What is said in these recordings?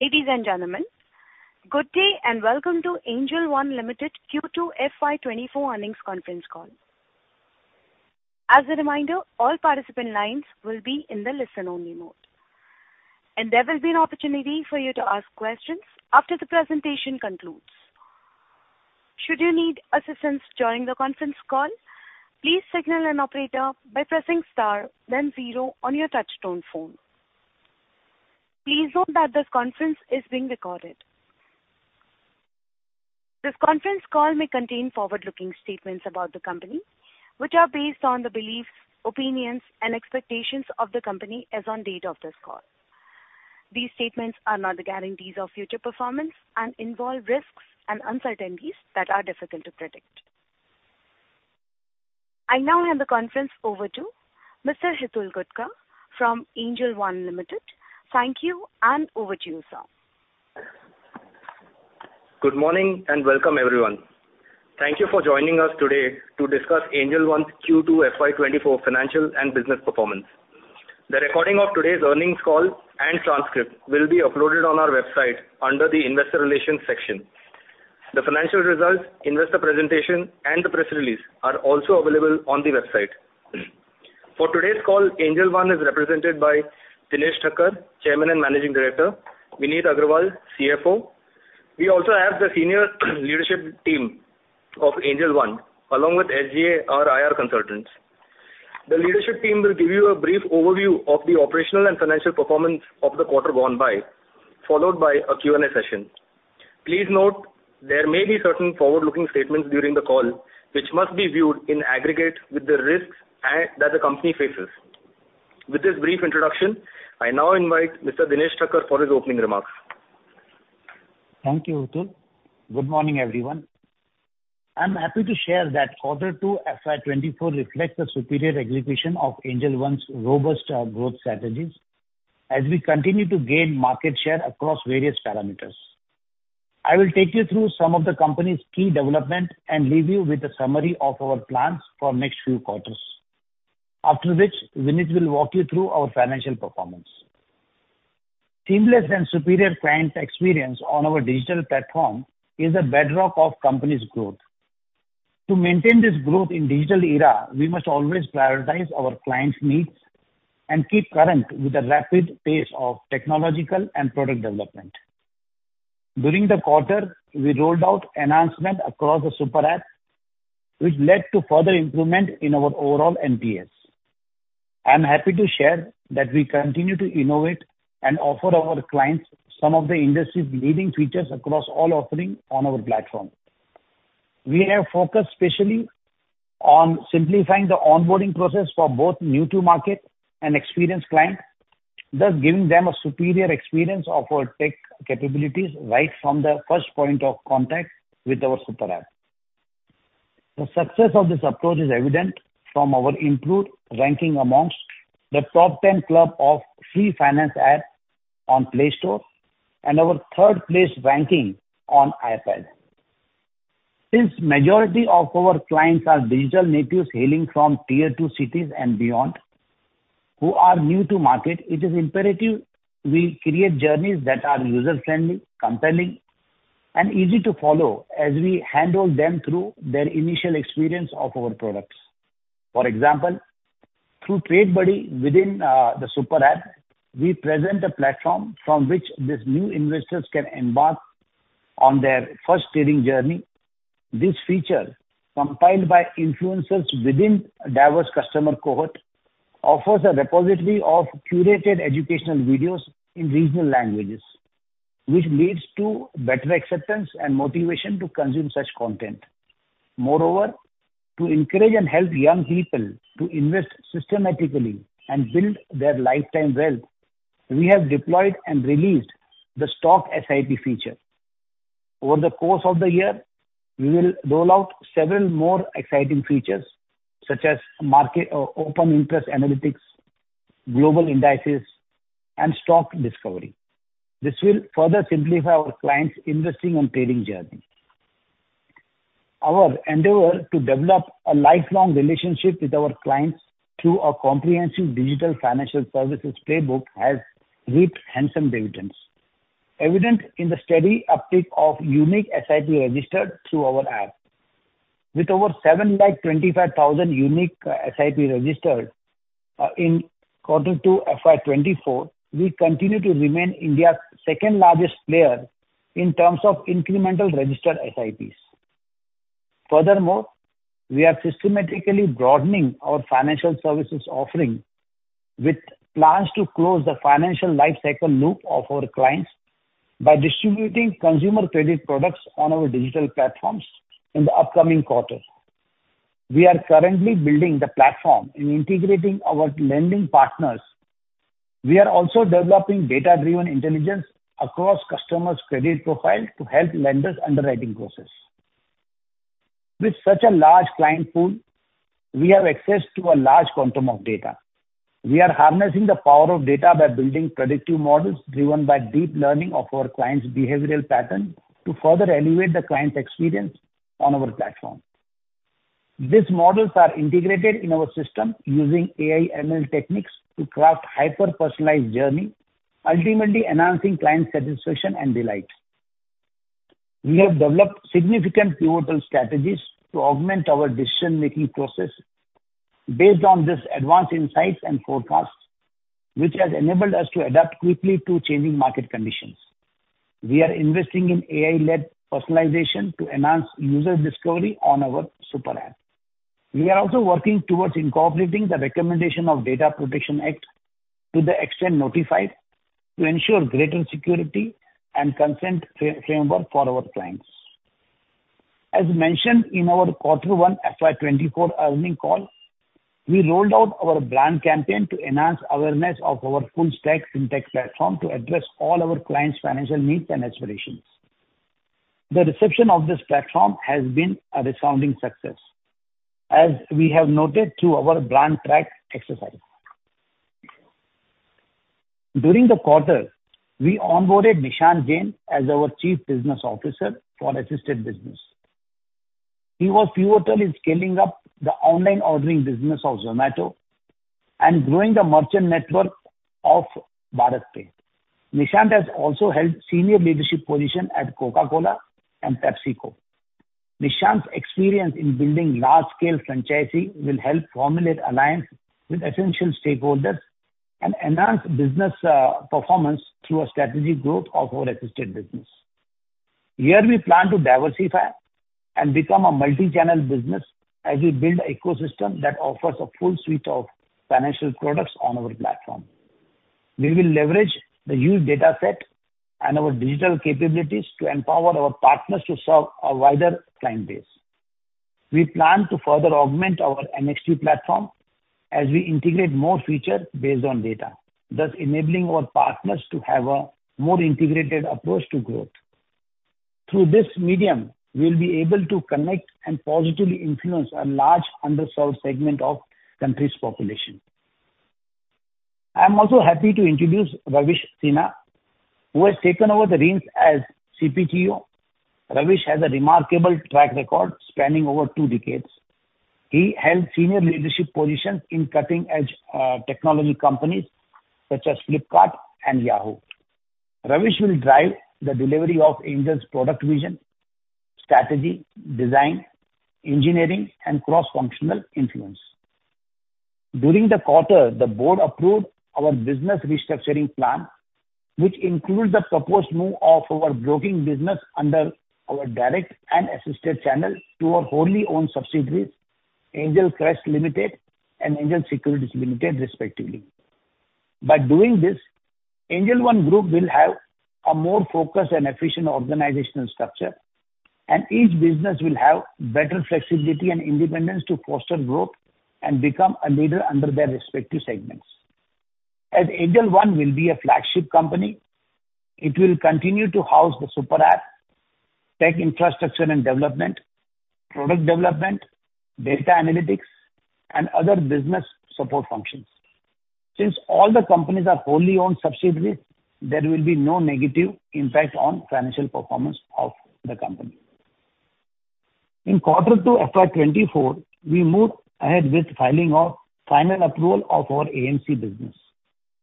Ladies and gentlemen, good day, and welcome to Angel One Limited Q2 FY 2024 earnings conference call. As a reminder, all participant lines will be in the listen-only mode, and there will be an opportunity for you to ask questions after the presentation concludes. Should you need assistance during the conference call, please signal an operator by pressing star then zero on your touchtone phone. Please note that this conference is being recorded. This conference call may contain forward-looking statements about the company, which are based on the beliefs, opinions, and expectations of the company as on date of this call. These statements are not the guarantees of future performance and involve risks and uncertainties that are difficult to predict. I now hand the conference over to Mr. Hitul Gutka from Angel One Limited. Thank you, and over to you, sir. Good morning, and welcome, everyone. Thank you for joining us today to discuss Angel One's Q2 FY 2024 financial and business performance. The recording of today's earnings call and transcript will be uploaded on our website under the Investor Relations section. The financial results, investor presentation, and the press release are also available on the website. For today's call, Angel One is represented by Dinesh Thakkar, Chairman and Managing Director, Vineet Agrawal, CFO. We also have the senior leadership team of Angel One, along with SGA, our IR consultants. The leadership team will give you a brief overview of the operational and financial performance of the quarter gone by, followed by a Q&A session. Please note, there may be certain forward-looking statements during the call, which must be viewed in aggregate with the risks that the company faces. With this brief introduction, I now invite Mr. Dinesh Thakkar for his opening remarks. Thank you, Hitul. Good morning, everyone. I'm happy to share that Q2 FY 2024 reflects the superior execution of Angel One's robust growth strategies as we continue to gain market share across various parameters. I will take you through some of the company's key development and leave you with a summary of our plans for next few quarters, after which Vineet will walk you through our financial performance. Seamless and superior client experience on our digital platform is the bedrock of company's growth. To maintain this growth in digital era, we must always prioritize our clients' needs and keep current with the rapid pace of technological and product development. During the quarter, we rolled out enhancement across the Super App, which led to further improvement in our overall NPS. I'm happy to share that we continue to innovate and offer our clients some of the industry's leading features across all offerings on our platform. We have focused specially on simplifying the onboarding process for both new to market and experienced clients, thus giving them a superior experience of our tech capabilities right from the first point of contact with our Super App. The success of this approach is evident from our improved ranking amongst the top 10 club of free finance app on Play Store and our third place ranking on iPad. Since majority of our clients are digital natives hailing from Tier 2 cities and beyond, who are new to market, it is imperative we create journeys that are user-friendly, compelling, and easy to follow as we handhold them through their initial experience of our products. For example, through Trade Buddy within the Super App, we present a platform from which these new investors can embark on their first trading journey. This feature, compiled by influencers within a diverse customer cohort, offers a repository of curated educational videos in regional languages, which leads to better acceptance and motivation to consume such content. Moreover, to encourage and help young people to invest systematically and build their lifetime wealth, we have deployed and released the stock SIP feature. Over the course of the year, we will roll out several more exciting features, such as market open interest analytics, global indices, and stock discovery. This will further simplify our clients' investing and trading journey. Our endeavor to develop a lifelong relationship with our clients through a comprehensive digital financial services playbook has reaped handsome dividends, evident in the steady uptick of unique SIP registered through our app. With over 7 lakh 25,000 unique SIP registered in Q2 FY 2024, we continue to remain India's second largest player in terms of incremental registered SIPs. Furthermore, we are systematically broadening our financial services offering with plans to close the financial lifecycle loop of our clients by distributing consumer credit products on our digital platforms in the upcoming quarter. We are currently building the platform and integrating our lending partners. We are also developing data-driven intelligence across customers' credit profiles to help lenders' underwriting process. With such a large client pool, we have access to a large quantum of data. We are harnessing the power of data by building predictive models driven by deep learning of our clients' behavioral pattern to further elevate the client experience on our platform.... These models are integrated in our system using AI/ML techniques to craft hyper-personalized journey, ultimately enhancing client satisfaction and delight. We have developed significant pivotal strategies to augment our decision-making process based on this advanced insights and forecasts, which has enabled us to adapt quickly to changing market conditions. We are investing in AI-led personalization to enhance user discovery on our Super App. We are also working towards incorporating the recommendation of Data Protection Act to the extent notified, to ensure greater security and consent framework for our clients. As mentioned in our quarter one FY 2024 earnings call, we rolled out our brand campaign to enhance awareness of our full stack fintech platform to address all our clients' financial needs and aspirations. The reception of this platform has been a resounding success, as we have noted through our brand track exercise. During the quarter, we onboarded Nishant Jain as our Chief Business Officer for Assisted Business. He was pivotal in scaling up the online ordering business of Zomato and growing the merchant network of BharatPe. Nishant has also held senior leadership position at Coca-Cola and PepsiCo. Nishant's experience in building large-scale franchising will help formulate alliance with essential stakeholders and enhance business, performance through a strategic growth of our assisted business. Here, we plan to diversify and become a multi-channel business as we build an ecosystem that offers a full suite of financial products on our platform. We will leverage the huge data set and our digital capabilities to empower our partners to serve a wider client base. We plan to further augment our NXT platform as we integrate more features based on data, thus enabling our partners to have a more integrated approach to growth. Through this medium, we'll be able to connect and positively influence a large underserved segment of the country's population. I am also happy to introduce Ravish Sinha, who has taken over the reins as CPTO. Ravish has a remarkable track record spanning over two decades. He held senior leadership positions in cutting-edge technology companies such as Flipkart and Yahoo! Ravish will drive the delivery of Angel's product vision, strategy, design, engineering, and cross-functional influence. During the quarter, the board approved our business restructuring plan, which includes the proposed move of our broking business under our direct and assisted channel to our wholly owned subsidiaries, Angel Crest Limited and Angel Securities Limited, respectively. By doing this, Angel One Group will have a more focused and efficient organizational structure, and each business will have better flexibility and independence to foster growth and become a leader under their respective segments. As Angel One will be a flagship company, it will continue to house the Super App, tech infrastructure and development, product development, data analytics, and other business support functions. Since all the companies are wholly owned subsidiaries, there will be no negative impact on financial performance of the company. In quarter two FY 2024, we moved ahead with filing of final approval of our AMC business.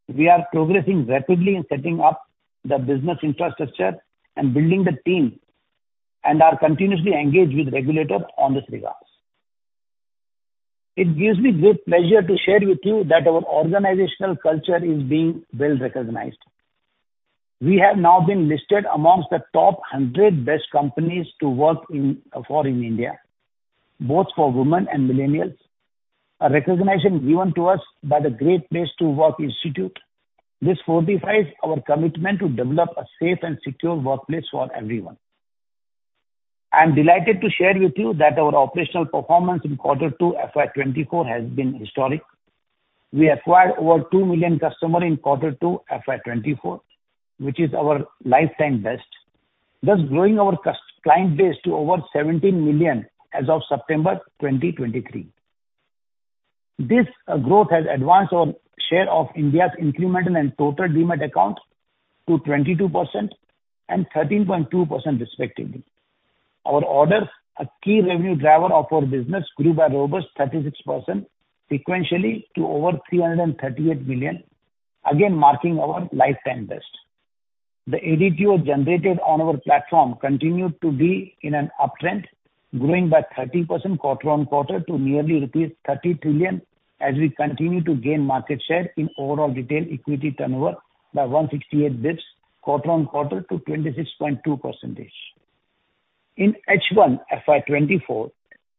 We are progressing rapidly in setting up the business infrastructure and building the team, and are continuously engaged with regulators on this regard. It gives me great pleasure to share with you that our organizational culture is being well recognized. We have now been listed amongst the top 100 best companies to work in, for in India, both for women and millennials, a recognition given to us by the Great Place to Work Institute. This fortifies our commitment to develop a safe and secure workplace for everyone. I am delighted to share with you that our operational performance in quarter two FY 2024 has been historic. We acquired over 2 million customers in quarter two FY 2024, which is our lifetime best, thus growing our client base to over 17 million as of September 2023. This growth has advanced our share of India's incremental and total demat accounts to 22% and 13.2% respectively. Our orders, a key revenue driver of our business, grew by a robust 36% sequentially to over 338 million, again, marking our lifetime best. The ADTO generated on our platform continued to be in an uptrend, growing by 30% quarter-over-quarter to nearly rupees 30 trillion, as we continue to gain market share in overall retail equity turnover by 168 basis points quarter-over-quarter to 26.2%. In H1 FY 2024,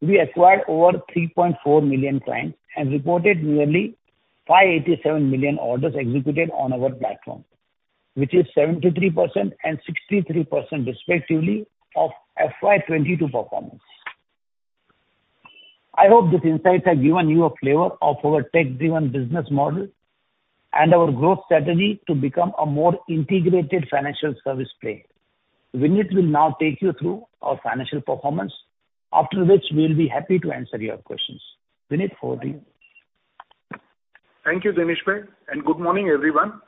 we acquired over 3.4 million clients and reported nearly 587 million orders executed on our platform, which is 73% and 63% respectively, of FY 2022 performance. I hope these insights have given you a flavor of our tech-driven business model and our growth strategy to become a more integrated financial service player. Vineet will now take you through our financial performance, after which we'll be happy to answer your questions. Vineet, over to you. Thank you, Dinesh, and good morning, everyone.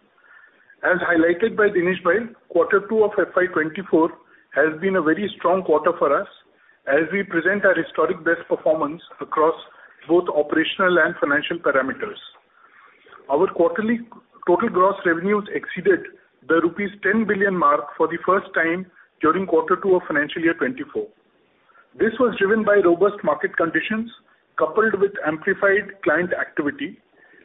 As highlighted by Dinesh, Q2 of FY 2024 has been a very strong quarter for us, as we present our historic best performance across both operational and financial parameters. Our quarterly total gross revenues exceeded the rupees 10 billion mark for the first time during Q2 of financial year 2024. This was driven by robust market conditions, coupled with amplified client activity,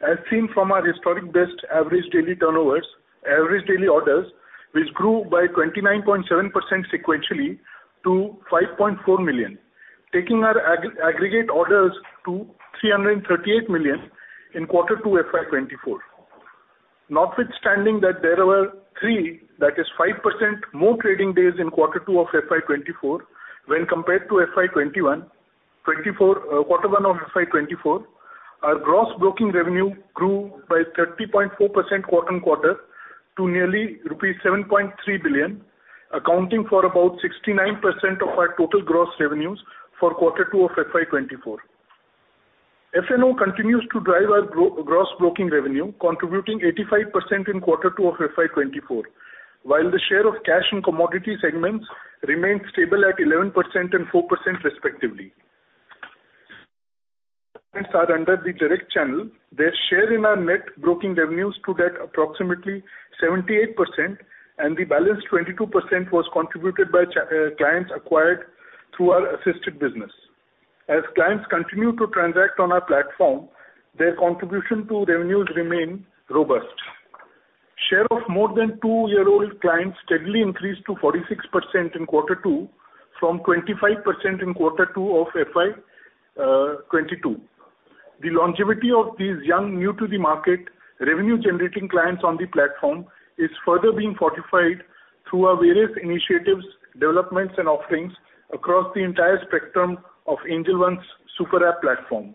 as seen from our historic best average daily turnovers, average daily orders, which grew by 29.7% sequentially to 5.4 million, taking our aggregate orders to 338 million in Q2, FY 2024. Notwithstanding that there were three, that is 5% more trading days in quarter two of FY 2024 when compared to quarter one of FY 2024, our gross broking revenue grew by 30.4% quarter-over-quarter to nearly rupees 7.3 billion, accounting for about 69% of our total gross revenues for quarter two of FY 2024. F&O continues to drive our gross broking revenue, contributing 85% in quarter two of FY 2024, while the share of cash and commodity segments remained stable at 11% and 4%, respectively. Are under the direct channel. Their share in our net broking revenues stood at approximately 78%, and the balance 22% was contributed by clients acquired through our assisted business. As clients continue to transact on our platform, their contribution to revenues remain robust. Share of more than two-year-old clients steadily increased to 46% in quarter two from 25% in quarter two of FY 2022. The longevity of these young, new to the market, revenue-generating clients on the platform is further being fortified through our various initiatives, developments, and offerings across the entire spectrum of Angel One's Super App platform.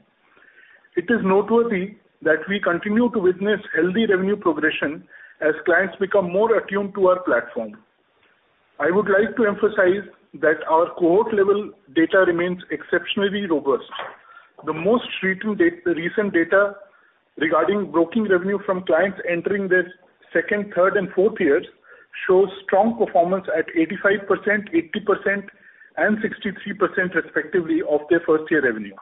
It is noteworthy that we continue to witness healthy revenue progression as clients become more attuned to our platform. I would like to emphasize that our cohort level data remains exceptionally robust. The most recent data regarding broking revenue from clients entering their second, third, and fourth years shows strong performance at 85%, 80%, and 63%, respectively, of their first-year revenue.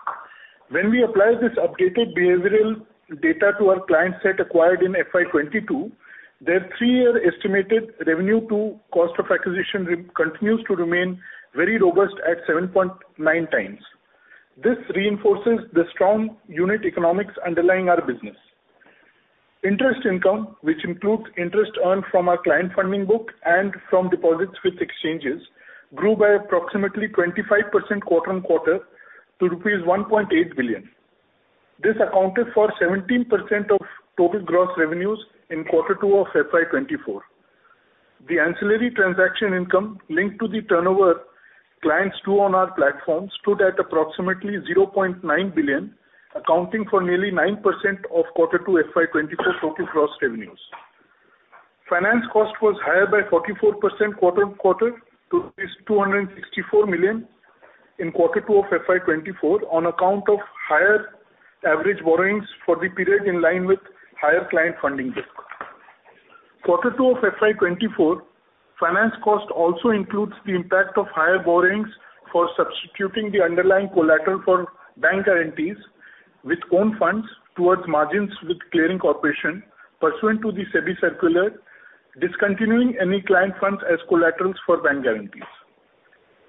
When we apply this updated behavioral data to our client set acquired in FY 2022, their three-year estimated revenue to cost of acquisition ratio continues to remain very robust at 7.9x. This reinforces the strong unit economics underlying our business. Interest income, which includes interest earned from our client funding book and from deposits with exchanges, grew by approximately 25% quarter-on-quarter to rupees 1.8 billion. This accounted for 17% of total gross revenues in Q2 of FY 2024. The ancillary transaction income linked to the turnover clients do on our platform stood at approximately 0.9 billion, accounting for nearly 9% of Q2 FY 2024 total gross revenues. Finance cost was higher by 44% quarter-over-quarter to INR 264 million in quarter two of FY 2024 on account of higher average borrowings for the period in line with higher client funding risk. quarter two of FY 2024, finance cost also includes the impact of higher borrowings for substituting the underlying collateral for bank guarantees with own funds towards margins with clearing corporation, pursuant to the SEBI circular, discontinuing any client funds as collaterals for bank guarantees.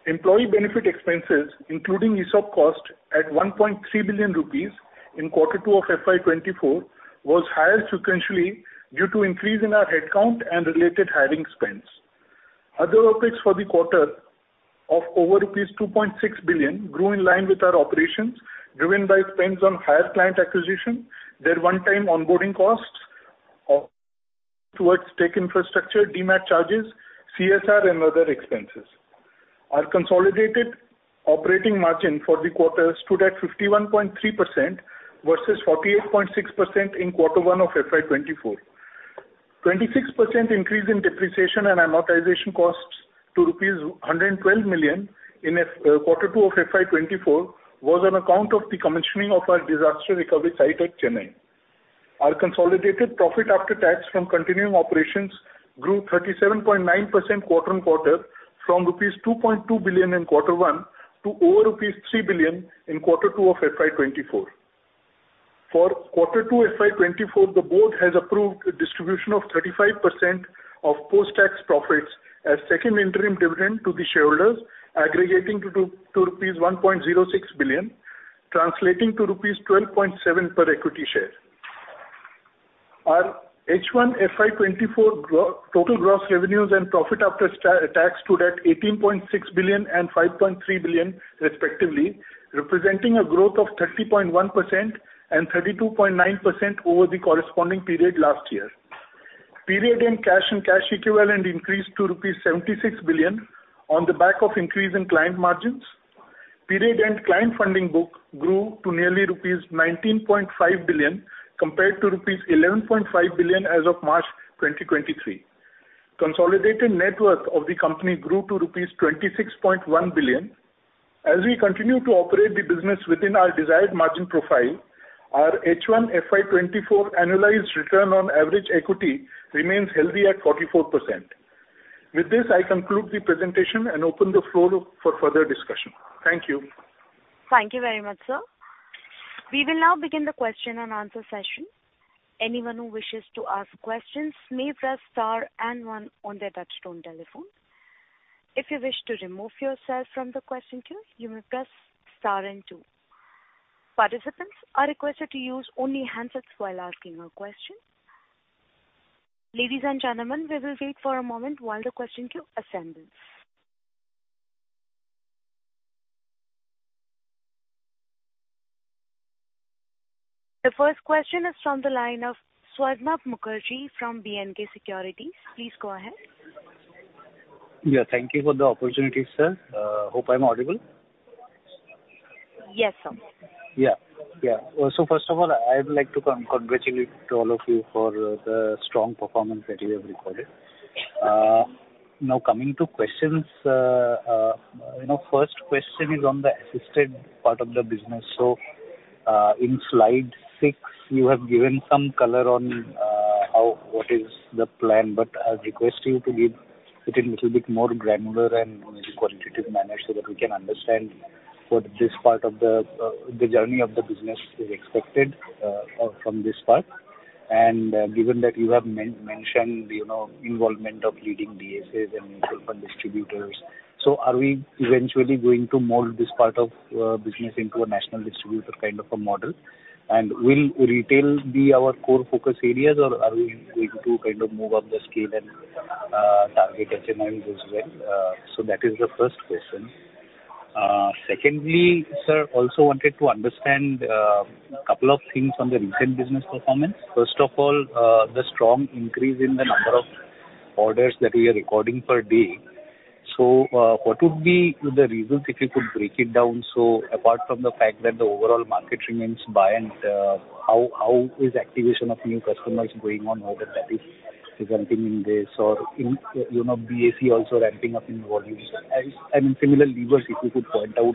Employee benefit expenses, including ESOP cost at 1.3 billion rupees in quarter two of FY 2024, was higher sequentially due to increase in our headcount and related hiring spends. Other OpEx for the quarter of over rupees 2.6 billion grew in line with our operations, driven by spends on higher client acquisition, their one-time onboarding costs, towards tech infrastructure, demat charges, CSR, and other expenses. Our consolidated operating margin for the quarter stood at 51.3% versus 48.6% in quarter one of FY 2024. 26% increase in depreciation and amortization costs to INR 112 million in quarter two of FY 2024 was on account of the commissioning of our disaster recovery site at Chennai. Our consolidated profit after tax from continuing operations grew 37.9% quarter-on-quarter from rupees 2.2 billion in quarter one to over rupees 3 billion in quarter two of FY 2024. For quarter two FY 2024, the board has approved a distribution of 35% of post-tax profits as second interim dividend to the shareholders, aggregating to rupees 1.06 billion, translating to rupees 12.7 per equity share. Our H1 FY 2024 total gross revenues and profit after tax stood at 18.6 billion and 5.3 billion, respectively, representing a growth of 30.1% and 32.9% over the corresponding period last year. Cash and cash equivalent increased to rupees 76 billion on the back of increase in client margins. Client funding book grew to nearly rupees 19.5 billion, compared to rupees 11.5 billion as of March 2023. Consolidated net worth of the company grew to rupees 26.1 billion. As we continue to operate the business within our desired margin profile, our H1 FY 2024 annualized return on average equity remains healthy at 44%. With this, I conclude the presentation and open the floor for further discussion. Thank you. Thank you very much, sir. We will now begin the question and answer session. Anyone who wishes to ask questions may press star and one on their touchtone telephone. If you wish to remove yourself from the question queue, you may press star and two. Participants are requested to use only handsets while asking a question. Ladies and gentlemen, we will wait for a moment while the question queue assembles. The first question is from the line of Swarnabh Mukherjee from B&K Securities. Please go ahead. Yeah, thank you for the opportunity, sir. Hope I'm audible? Yes, sir. Yeah. Yeah. So first of all, I would like to congratulate all of you for the strong performance that you have recorded. Now, coming to questions, you know, first question is on the assisted part of the business. So, in slide six, you have given some color on how what is the plan, but I request you to give it a little bit more granular and maybe quantitative manner so that we can understand what this part of the journey of the business is expected from this part. And given that you have mentioned, you know, involvement of leading DSAs and mutual fund distributors, so are we eventually going to mold this part of business into a national distributor kind of a model? Will retail be our core focus areas, or are we going to kind of move up the scale and target HNI as well? So that is the first question. Secondly, sir, also wanted to understand a couple of things on the recent business performance. First of all, the strong increase in the number of orders that we are recording per day. So, what would be the reasons, if you could break it down, so apart from the fact that the overall market remains bull, and how is activation of new customers going on, whether that is reflecting in this or in, you know, BSE also ramping up in volumes and similar levers, if you could point out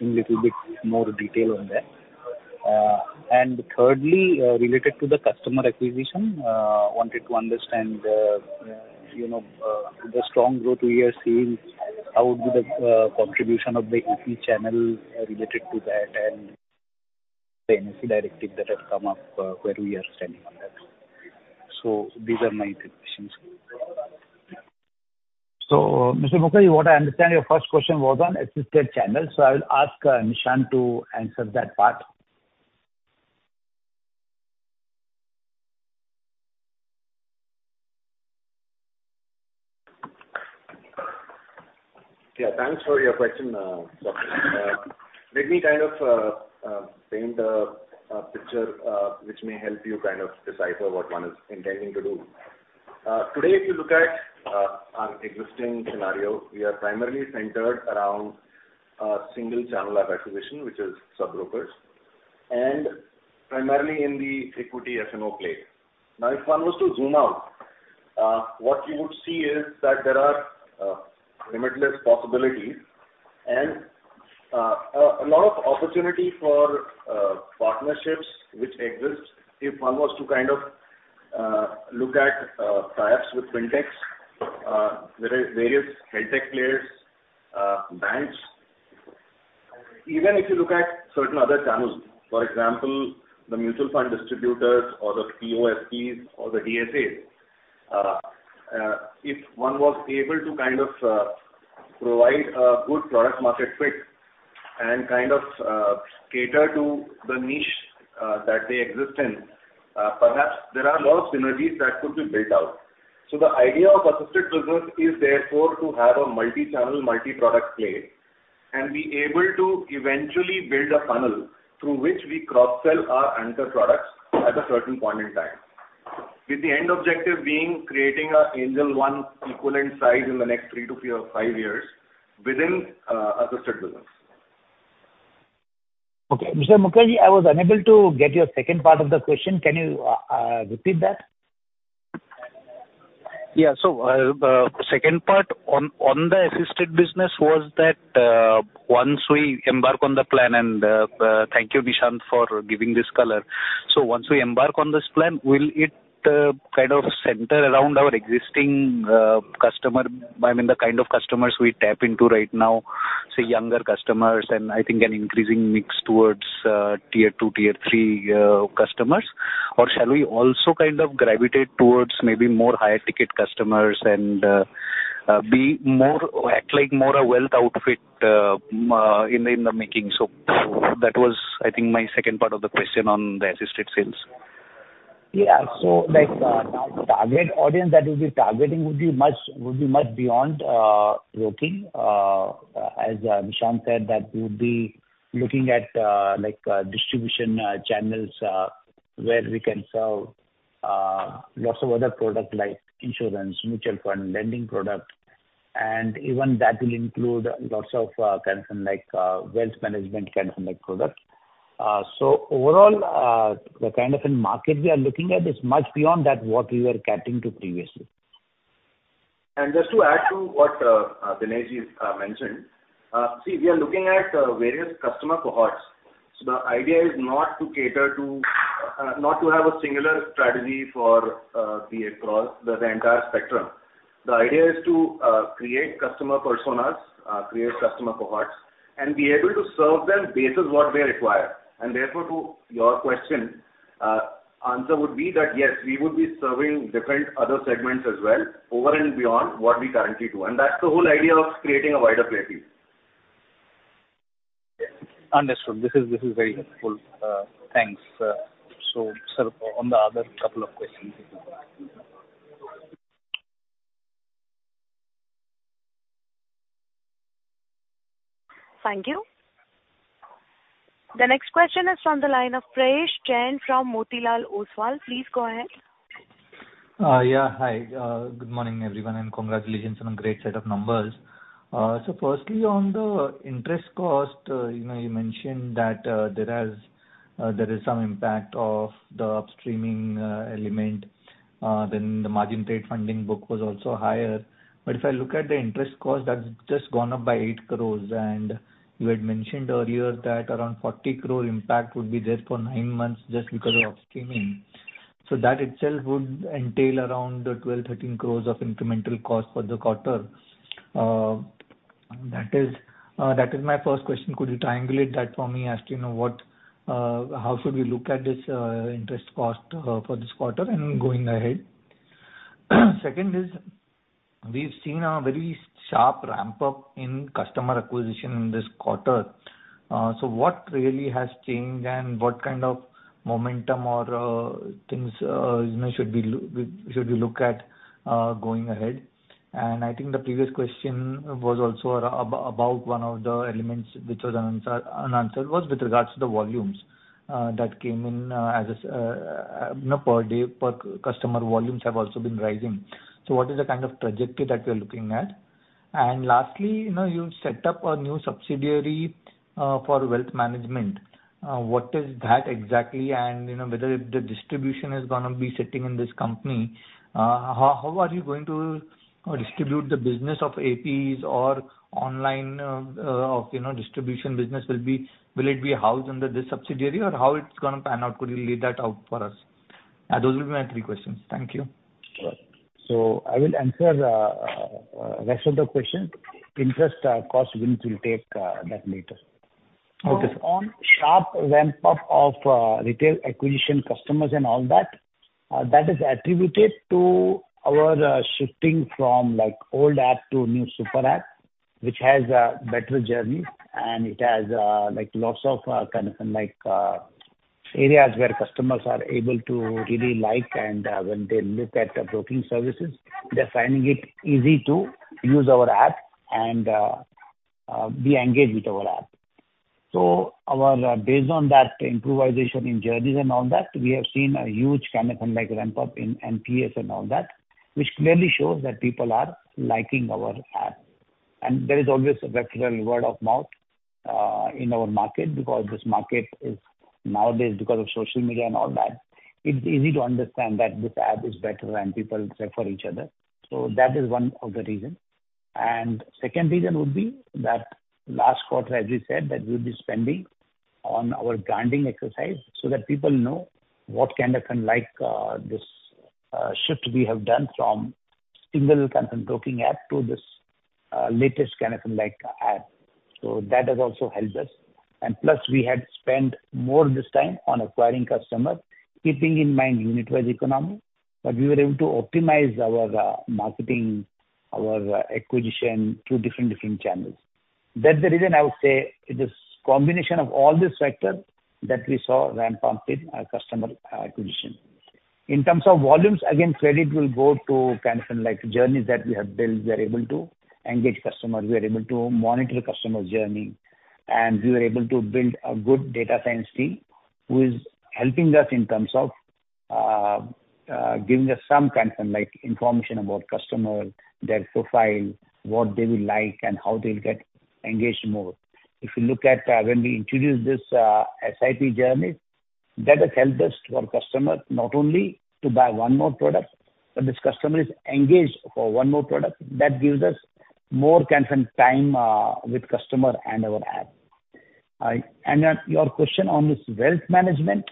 in little bit more detail on that. And thirdly, related to the customer acquisition, wanted to understand, you know, the strong growth we are seeing, how would be the contribution of the equity channel related to that and the NBFC directive that has come up, where we are standing on that? So these are my three questions. So, Mr. Mukherjee, what I understand your first question was on assisted channels, so I will ask, Nishant to answer that part. Yeah, thanks for your question, Dr. Mukherjee. Let me kind of paint a picture, which may help you kind of decipher what one is intending to do. Today, if you look at our existing scenario, we are primarily centered around a single channel of acquisition, which is sub-brokers, and primarily in the equity F&O play. Now, if one was to zoom out, what you would see is that there are limitless possibilities and a lot of opportunity for partnerships which exist if one was to kind of look at tie-ups with FinTechs, various EdTech players, banks. Even if you look at certain other channels, for example, the mutual fund distributors or the PoSPs or the DSAs, if one was able to kind of provide a good product market fit and kind of cater to the niche that they exist in, perhaps there are a lot of synergies that could be built out. So the idea of assisted business is therefore to have a multi-channel, multi-product play, and be able to eventually build a funnel through which we cross-sell our anchor products at a certain point in time, with the end objective being creating an Angel One equivalent size in the next three to five years within assisted business. Okay, Mr. Mukherjee, I was unable to get your second part of the question. Can you, repeat that? Yeah. So, second part on the assisted business was that, once we embark on the plan, and thank you, Nishant, for giving this color. So once we embark on this plan, will it kind of center around our existing customer? I mean, the kind of customers we tap into right now, say, younger customers, and I think an increasing mix towards Tier 2, Tier 3 customers. Or shall we also kind of gravitate towards maybe more higher ticket customers and be more, act like more a wealth outfit in the making? So that was, I think, my second part of the question on the assisted sales. Yeah, so like, the target audience that we'll be targeting would be much, would be much beyond broking. As Nishant said, that we would be looking at like distribution channels where we can sell lots of other product like insurance, mutual fund, lending product, and even that will include lots of kinds of like wealth management kind of like product. So overall, the kind of end market we are looking at is much beyond that, what we were catering to previously. And just to add to what Dinesh has mentioned. See, we are looking at various customer cohorts. So the idea is not to cater to, not to have a singular strategy for the across the entire spectrum. The idea is to create customer personas, create customer cohorts, and be able to serve them based on what they require. And therefore, to your question, answer would be that, yes, we would be serving different other segments as well, over and beyond what we currently do, and that's the whole idea of creating a wider play field. Understood. This is, this is very helpful. Thanks. So sir, on the other couple of questions Thank you. The next question is from the line of Prayesh Jain from Motilal Oswal. Please go ahead. Yeah. Hi. Good morning, everyone, and congratulations on a great set of numbers. So firstly, on the interest cost, you know, you mentioned that there is some impact of the upstreaming element, then the margin trade funding book was also higher. But if I look at the interest cost, that's just gone up by 8 crore. And you had mentioned earlier that around 40 crore impact would be there for nine months just because of upstreaming. So that itself would entail around 12 crore-13 crore of incremental cost for the quarter. That is my first question. Could you triangulate that for me as to, you know, what, how should we look at this interest cost for this quarter and going ahead? Second is, we've seen a very sharp ramp-up in customer acquisition in this quarter. So what really has changed and what kind of momentum or, things, you know, should we look at, going ahead? And I think the previous question was also about one of the elements which was unanswered, was with regards to the volumes, that came in, as a, you know, per day, per customer, volumes have also been rising. So what is the kind of trajectory that you're looking at? And lastly, you know, you set up a new subsidiary for wealth management. What is that exactly? You know, whether if the distribution is gonna be sitting in this company, how are you going to distribute the business of APs or online, you know, distribution business will be... Will it be housed under this subsidiary, or how it's gonna pan out? Could you lay that out for us? Those will be my three questions. Thank you. So I will answer rest of the question. Interest cost Vineet will take that later. Okay. On sharp ramp-up of, retail acquisition customers and all that, that is attributed to our, shifting from, like, old app to new Super App, which has a better journey, and it has, like, lots of, kind of like, areas where customers are able to really like, and, when they look at the broking services, they're finding it easy to use our app and, be engaged with our app. So our... Based on that improvisation in journeys and all that, we have seen a huge kind of like ramp-up in NPS and all that, which clearly shows that people are liking our app. And there is always a regular word of mouth, in our market, because this market is nowadays, because of social media and all that, it's easy to understand that this app is better and people refer each other. That is one of the reason. And second reason would be that last quarter, as we said, that we'll be spending on our branding exercise so that people know what kind of like, this, shift we have done from single kind of broking app to this, latest kind of, like, app. So that has also helped us. And plus, we had spent more this time on acquiring customers, keeping in mind unit economics, but we were able to optimize our, marketing, our acquisition through different, different channels. That's the reason I would say it is combination of all this factor that we saw ramp up in our customer, acquisition. In terms of volumes, again, credit will go to kind of like journeys that we have built. We are able to engage customers, we are able to monitor customer journey, and we were able to build a good data science team who is helping us in terms of, giving us some kind of, like, information about customer, their profile, what they will like and how they'll get engaged more. If you look at, when we introduced this, SIP journey, that has helped us to our customer, not only to buy one more product, but this customer is engaged for one more product. That gives us more kind of time, with customer and our app. And your question on this wealth management.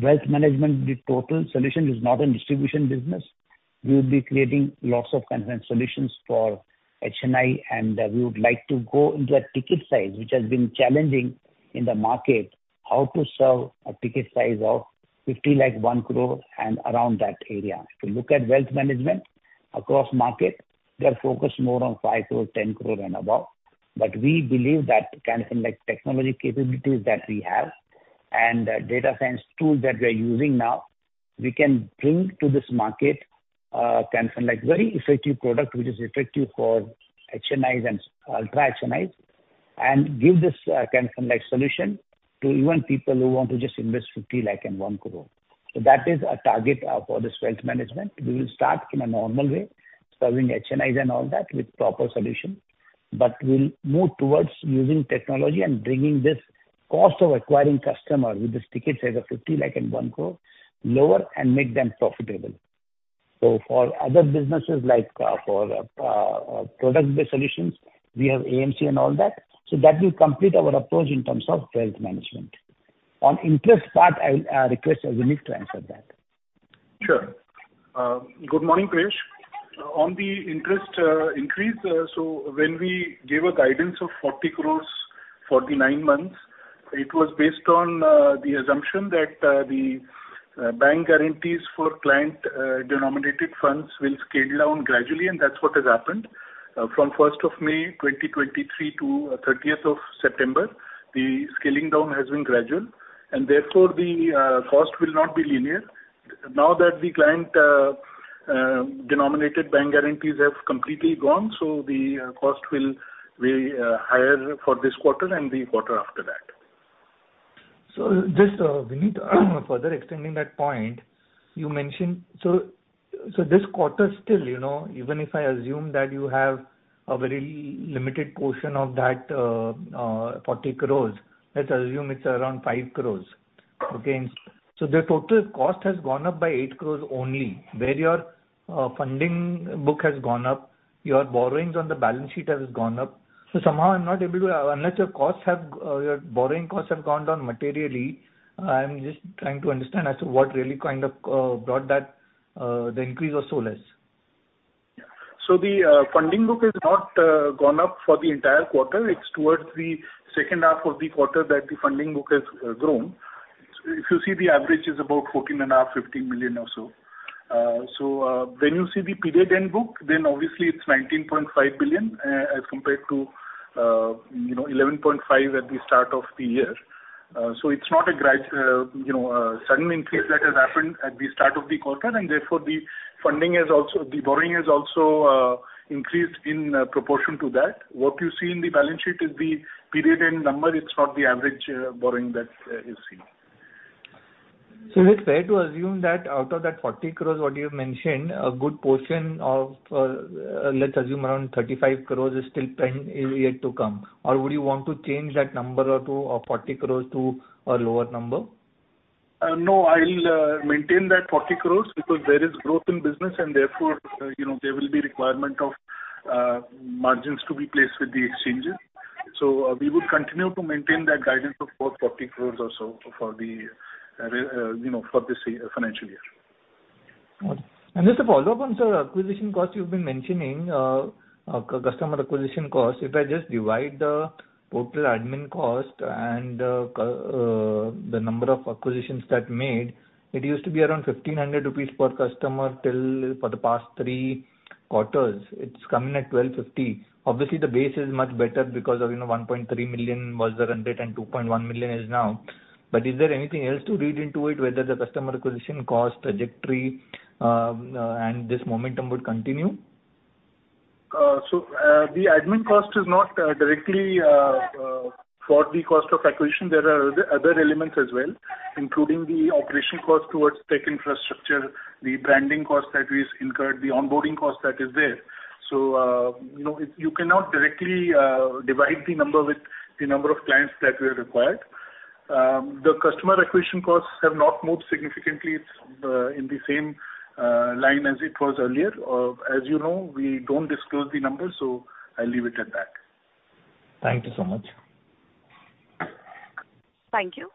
Wealth management, the total solution is not a distribution business. We will be creating lots of kind of solutions for HNI, and we would like to go into a ticket size, which has been challenging in the market, how to sell a ticket size of 50 lakh, 1 crore and around that area. If you look at wealth management across market, they're focused more on 5 crore, 10 crore and above. We believe that kind of, like, technology capabilities that we have and data science tools that we are using now, we can bring to this market, kind of like, very effective product, which is effective for HNIs and ultra-HNIs, and give this kind of, like, solution to even people who want to just invest 50 lakh and 1 crore. That is our target for this wealth management. We will start in a normal way, serving HNIs and all that, with proper solution. ... we'll move towards using technology and bringing this cost of acquiring customer with this ticket size of 50 lakh and 1 crore lower and make them profitable. For other businesses, like, for product-based solutions, we have AMC and all that, so that will complete our approach in terms of wealth management. On interest part, I'll request Vineet to answer that. Sure. Good morning, Paresh. On the interest increase, when we gave a guidance of 40 crore for the nine months, it was based on the assumption that the bank guarantees for client denominated funds will scale down gradually, and that's what has happened. From 1st of May 2023 to 30th of September, the scaling down has been gradual, and therefore, the cost will not be linear. Now that the client denominated bank guarantees have completely gone, the cost will be higher for this quarter and the quarter after that. So just, Vineet, further extending that point, you mentioned, so, so this quarter still, you know, even if I assume that you have a very limited portion of that, 40 crore, let's assume it's around 5 crore, okay? So the total cost has gone up by 8 crore only, where your, funding book has gone up, your borrowings on the balance sheet has gone up. So somehow I'm not able to... Unless your costs have, your borrowing costs have gone down materially, I'm just trying to understand as to what really kind of, brought that, the increase or so less. The funding book has not gone up for the entire quarter. It's towards the second half of the quarter that the funding book has grown. If you see, the average is about 14.5-15 million or so. When you see the period-end book, then obviously it's 19.5 billion, as compared to, you know, 11.5 billion at the start of the year. It's not a sudden increase that has happened at the start of the quarter, and therefore, the funding has also—the borrowing has also increased in proportion to that. What you see in the balance sheet is the period-end number. It's not the average borrowing that you see. So is it fair to assume that out of that 40 crore what you have mentioned, a good portion of, let's assume around 35 crore is still pending, is yet to come, or would you want to change that number or to, of 40 crore to a lower number? No, I'll maintain that 40 crore because there is growth in business and therefore, you know, there will be requirement of margins to be placed with the exchanges. So, we would continue to maintain that guidance of for 40 crore or so for the, you know, for this financial year. And just a follow-up on, sir, acquisition costs you've been mentioning, customer acquisition costs. If I just divide the total admin cost and, the number of acquisitions that made, it used to be around 1,500 rupees per customer till for the past three quarters. It's coming at 1,250. Obviously, the base is much better because of, you know, 1.3 million was the run rate and 2.1 million is now. But is there anything else to read into it, whether the customer acquisition cost, trajectory, and this momentum would continue? So, the admin cost is not directly for the cost of acquisition. There are other elements as well, including the operation cost towards tech infrastructure, the branding cost that is incurred, the onboarding cost that is there. So, you know, you cannot directly divide the number with the number of clients that were acquired. The customer acquisition costs have not moved significantly. It's in the same line as it was earlier. As you know, we don't disclose the numbers, so I'll leave it at that. Thank you so much. Thank you.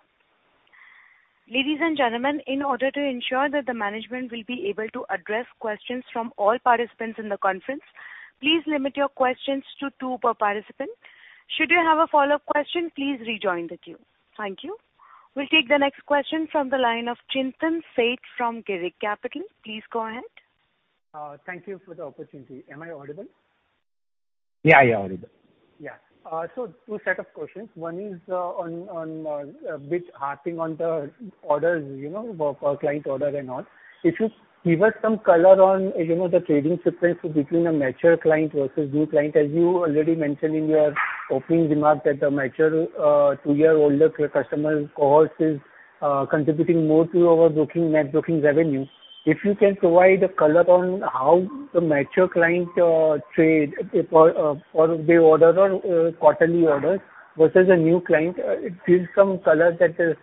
Ladies and gentlemen, in order to ensure that the management will be able to address questions from all participants in the conference, please limit your questions to two per participant. Should you have a follow-up question, please rejoin the queue. Thank you. We'll take the next question from the line of Chintan Sheth from Girik Capital. Please go ahead. Thank you for the opportunity. Am I audible? Yeah, yeah, audible. Yeah. So two set of questions. One is, on a bit harping on the orders, you know, for client order and all. If you give us some color on, you know, the trading difference between a mature client versus new client, as you already mentioned in your opening remarks, that the mature, two-year-older customer cohorts is, contributing more to our booking, net booking revenue. If you can provide a color on how the mature client, trade, or they order on, quarterly orders versus a new client, it gives some color that,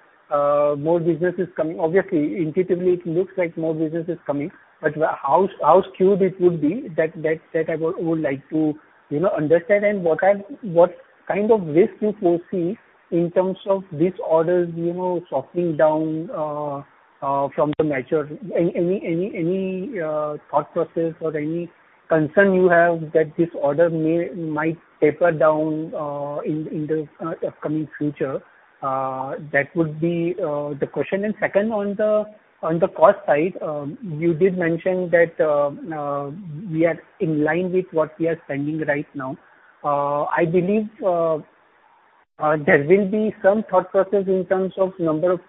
more business is coming. Obviously, intuitively, it looks like more business is coming, but how skewed it would be? That I would like to, you know, understand. What kind of risk do you foresee in terms of these orders, you know, softening down from the mature? Any thought process or any concern you have that this order may might taper down in the upcoming future? That would be the question. And second, on the cost side, you did mention that we are in line with what we are spending right now. I believe there will be some thought process in terms of number of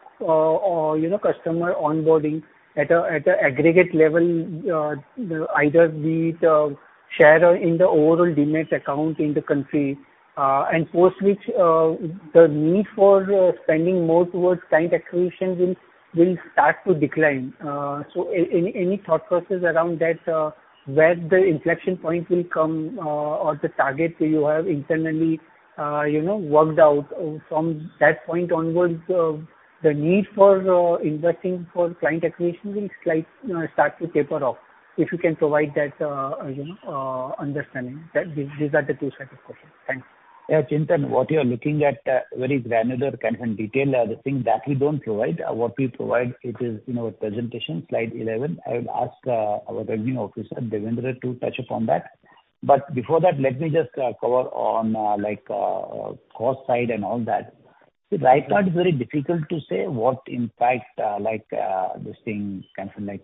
customer onboarding at a aggregate level, either be it share or in the overall demat account in the country, and post which the need for spending more towards client acquisition will start to decline. So any thought process around that, where the inflection point will come, or the target that you have internally, you know, worked out? From that point onwards, the need for investing for client acquisition will slight, you know, start to taper off. If you can provide that, you know, understanding. That these are the two set of questions. Thanks. Yeah, Chintan, what you are looking at, very granular kind of in detail, the thing that we don't provide. What we provide it is in our presentation, slide 11. I would ask, our revenue officer, Devender, to touch upon that. But before that, let me just, cover on, like, cost side and all that. Right now, it's very difficult to say what impact, like, this thing, kind of like,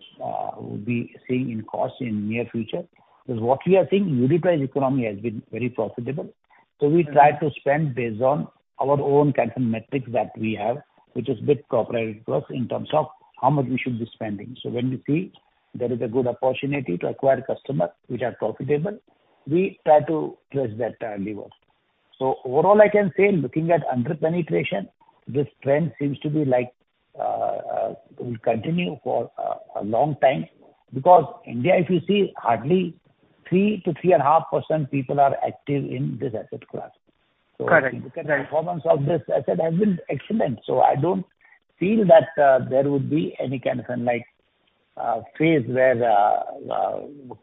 we see in cost in near future. Because what we are seeing, unit economics has been very profitable. So we try to spend based on our own kind of metrics that we have, which is a bit proprietary to us in terms of how much we should be spending. So when we see there is a good opportunity to acquire customer, which are profitable, we try to place that level. So overall, I can say, looking at under-penetration, this trend seems to be like will continue for a long time, because India, if you see, hardly 3%-3.5% people are active in this asset class. Correct. So if you look at the performance of this asset has been excellent, so I don't feel that there would be any kind of like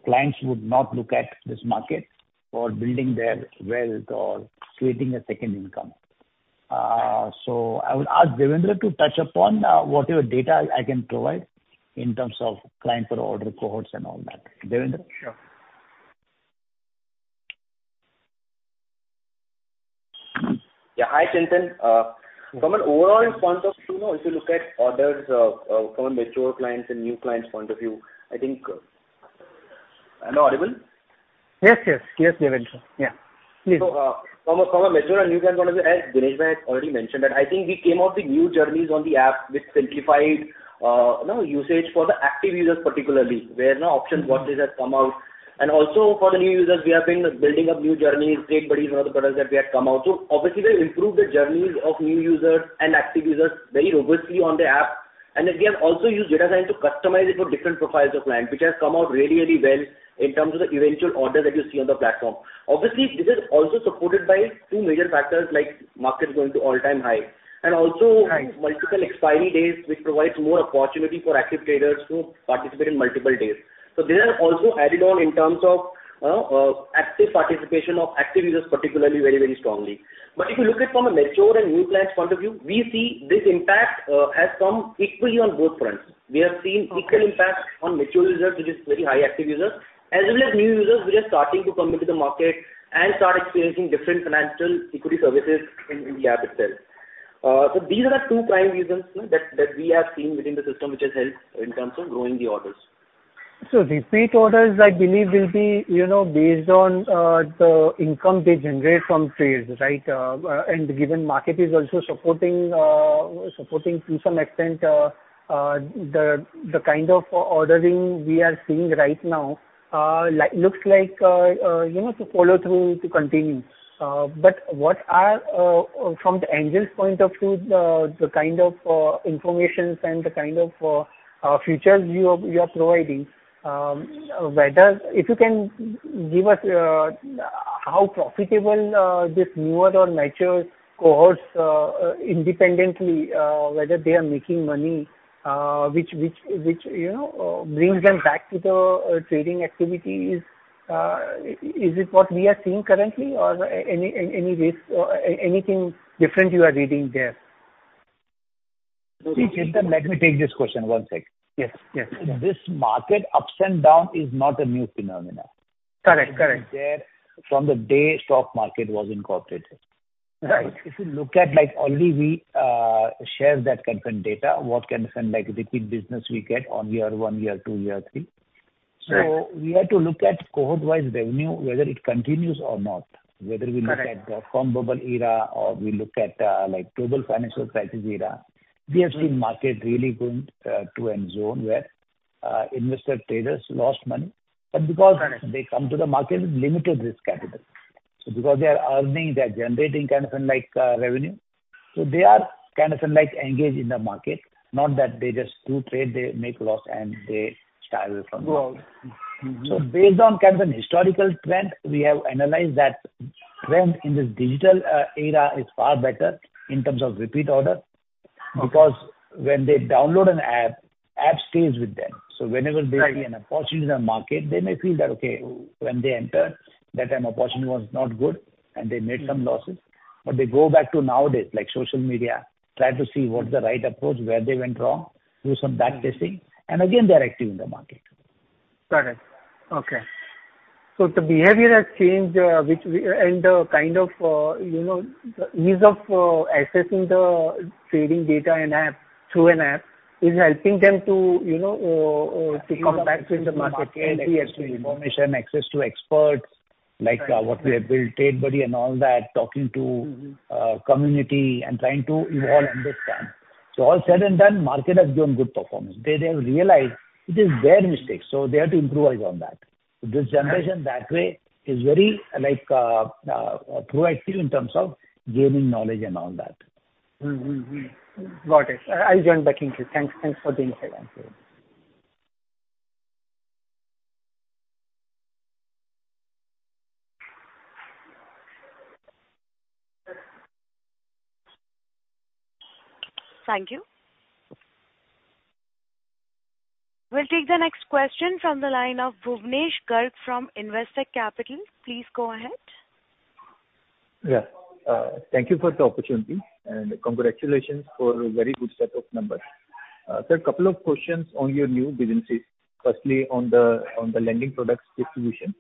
clients would not look at this market for building their wealth or creating a second income. So I would ask Devender to touch upon whatever data I can provide in terms of client per order cohorts and all that. Devender? Sure. Yeah, hi, Chintan. From an overall response of, you know, if you look at orders, from a mature clients and new clients point of view, I think... Am I audible? Yes, yes. Yes, Devender. Yeah, please. So, from a, from a mature and new clients point of view, as Dinesh has already mentioned that I think we came out with new journeys on the app with simplified, you know, usage for the active users, particularly, where now option watchlist has come out. And also for the new users, we have been building up new journeys, Trade Buddies and other products that we have come out. So obviously, we've improved the journeys of new users and active users very robustly on the app. And again, also use data science to customize it for different profiles of client, which has come out really, really well in terms of the eventual order that you see on the platform. Obviously, this is also supported by two major factors, like market going to all-time high, and also- Right. Multiple expiry days, which provides more opportunity for active traders to participate in multiple days. So these are also added on in terms of active participation of active users, particularly, very, very strongly. But if you look at from a mature and new clients point of view, we see this impact has come equally on both fronts. We have seen equal impact on mature users, which is very high active users, as well as new users who are starting to come into the market and start experiencing different financial equity services in the app itself. So these are the two prime reasons, you know, that we have seen within the system, which has helped in terms of growing the orders. Repeat orders, I believe, will be, you know, based on the income they generate from trades, right? And given market is also supporting, supporting to some extent, the kind of ordering we are seeing right now, like, looks like, you know, to follow through, to continue. What are, from the Angel's point of view, the kind of informations and the kind of features you are providing, whether—if you can give us how profitable this newer or mature cohorts, independently, whether they are making money, which, which, which, you know, brings them back to the trading activities? Is it what we are seeing currently or any risk, anything different you are reading there? See, Chintan, let me take this question, one second. Yes, yes. This market, ups and down, is not a new phenomenon. Correct. Correct. It was there from the day stock market was incorporated. Right. If you look at, like, only we shares that kind of data, what kind of like repeat business we get on year one, year two, year three. Right. We have to look at cohort-wise revenue, whether it continues or not, whether we- Correct. Look at the from bubble era or we look at, like, global financial crisis era, we have seen market really going to end zone where investor traders lost money. Correct. Because they come to the market with limited risk capital. Because they are earning, they are generating kind of like revenue, so they are kind of like engaged in the market, not that they just do trade, they make loss, and they style from loss. Mm-hmm. Based on kind of an historical trend, we have analyzed that trend in this digital era is far better in terms of repeat order. Okay. Because when they download an app, app stays with them. Right. Whenever there is an opportunity in the market, they may feel that, okay, when they enter, that time opportunity was not good and they made some losses. But they go back to nowadays, like social media, try to see what's the right approach, where they went wrong, do some back testing, and again, they're active in the market. Correct. Okay. So the behavior has changed, which we... And the kind of, you know, the ease of accessing the trading data and app through an app is helping them to, you know, to come back to the market and access information, access to experts? like, what we have built Trade Buddy and all that, talking to community and trying to evolve, understand. So all said and done, market has given good performance. They, they have realized it is their mistake, so they have to improve upon that. This generation, that way, is very like, proactive in terms of gaining knowledge and all that. Mm-hmm, mm-hmm. Got it. I'll join back in. Thanks, thanks for the insight. Thank you. We'll take the next question from the line of Bhuvnesh Garg from Investec Capital. Please go ahead. Yeah. Thank you for the opportunity, and congratulations for a very good set of numbers. Sir, a couple of questions on your new businesses. Firstly, on the lending products distribution,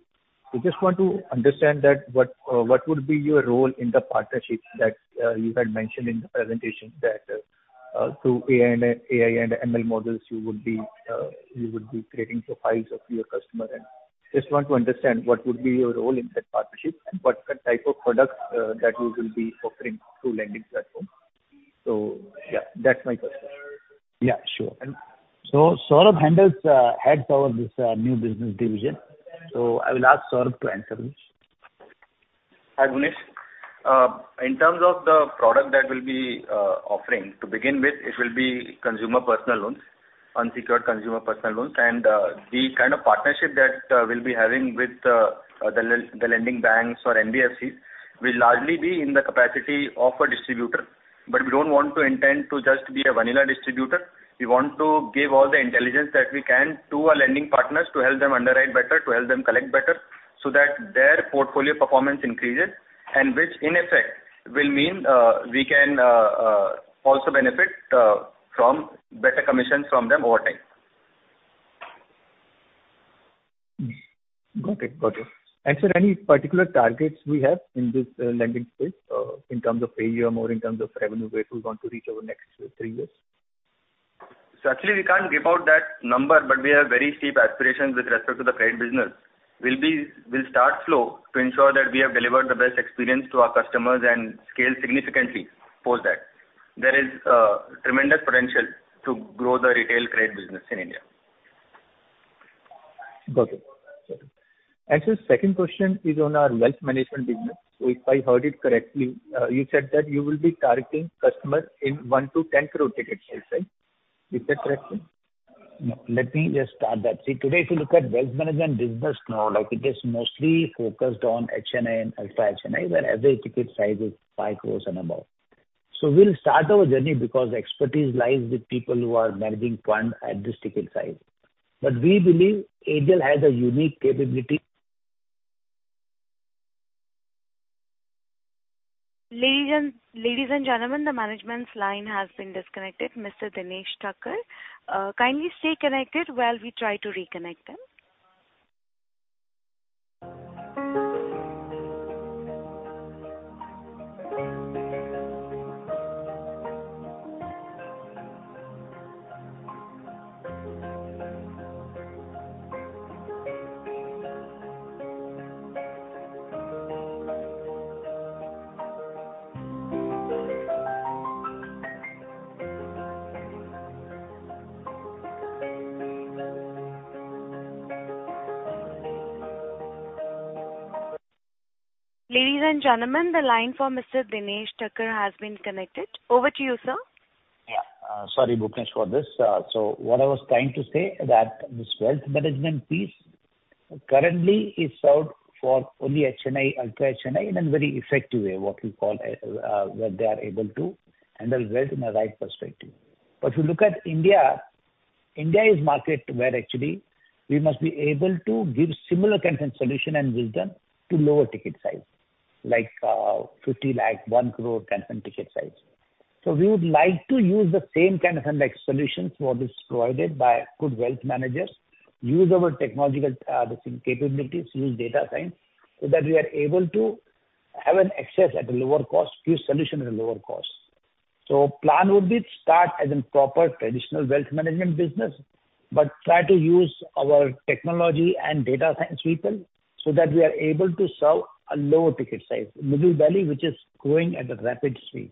we just want to understand what would be your role in the partnerships that you had mentioned in the presentation that through AI and ML models, you would be creating profiles of your customer? And just want to understand, what would be your role in that partnership, and what type of products that you will be offering to lending platform? So, yeah, that's my question. Yeah, sure. So Saurabh handles, heads our this, new business division, so I will ask Saurabh to answer this. Hi, Bhuvnesh. In terms of the product that we'll be offering, to begin with, it will be consumer personal loans, unsecured consumer personal loans. The kind of partnership that we'll be having with the lending banks or NBFCs will largely be in the capacity of a distributor. But we don't want to intend to just be a vanilla distributor. We want to give all the intelligence that we can to our lending partners to help them underwrite better, to help them collect better, so that their portfolio performance increases, and which in effect will mean we can also benefit from better commissions from them over time. Got it. Got it. Sir, any particular targets we have in this lending space in terms of per year or more in terms of revenue where we want to reach over the next three years? So actually, we can't give out that number, but we have very steep aspirations with respect to the credit business. We'll be... We'll start slow to ensure that we have delivered the best experience to our customers and scale significantly for that. There is, tremendous potential to grow the retail credit business in India. Got it. Got it. And sir, second question is on our wealth management business. So if I heard it correctly, you said that you will be targeting customers in 1 crore-10 crore ticket size, right? Is that correct, sir? Let me just start that. See, today, if you look at wealth management business now, like, it is mostly focused on HNI and ultra-HNI, where average ticket size is 5 crore and above. So we'll start our journey because expertise lies with people who are managing funds at this ticket size. But we believe Angel has a unique capability- Ladies and gentlemen, the management's line has been disconnected, Mr. Dinesh Thakkar. Kindly stay connected while we try to reconnect them. Ladies and gentlemen, the line for Mr. Dinesh Thakkar has been connected. Over to you, sir. Yeah. Sorry, Bhuvnesh, for this. So what I was trying to say that this wealth management piece currently is solved for only HNI, ultra-HNI, in a very effective way, what we call, where they are able to handle wealth in a right perspective. But if you look at India, India is market where actually we must be able to give similar kinds of solution and wisdom to lower ticket size, like, 50 lakh, 1 crore kinds of ticket size. So we would like to use the same kind of like solutions what is provided by good wealth managers, use our technological, capabilities, use data science, so that we are able to have an access at a lower cost, give solution at a lower cost. Plan would be start as a proper traditional wealth management business, but try to use our technology and data science people so that we are able to serve a lower ticket size, middle value, which is growing at a rapid speed.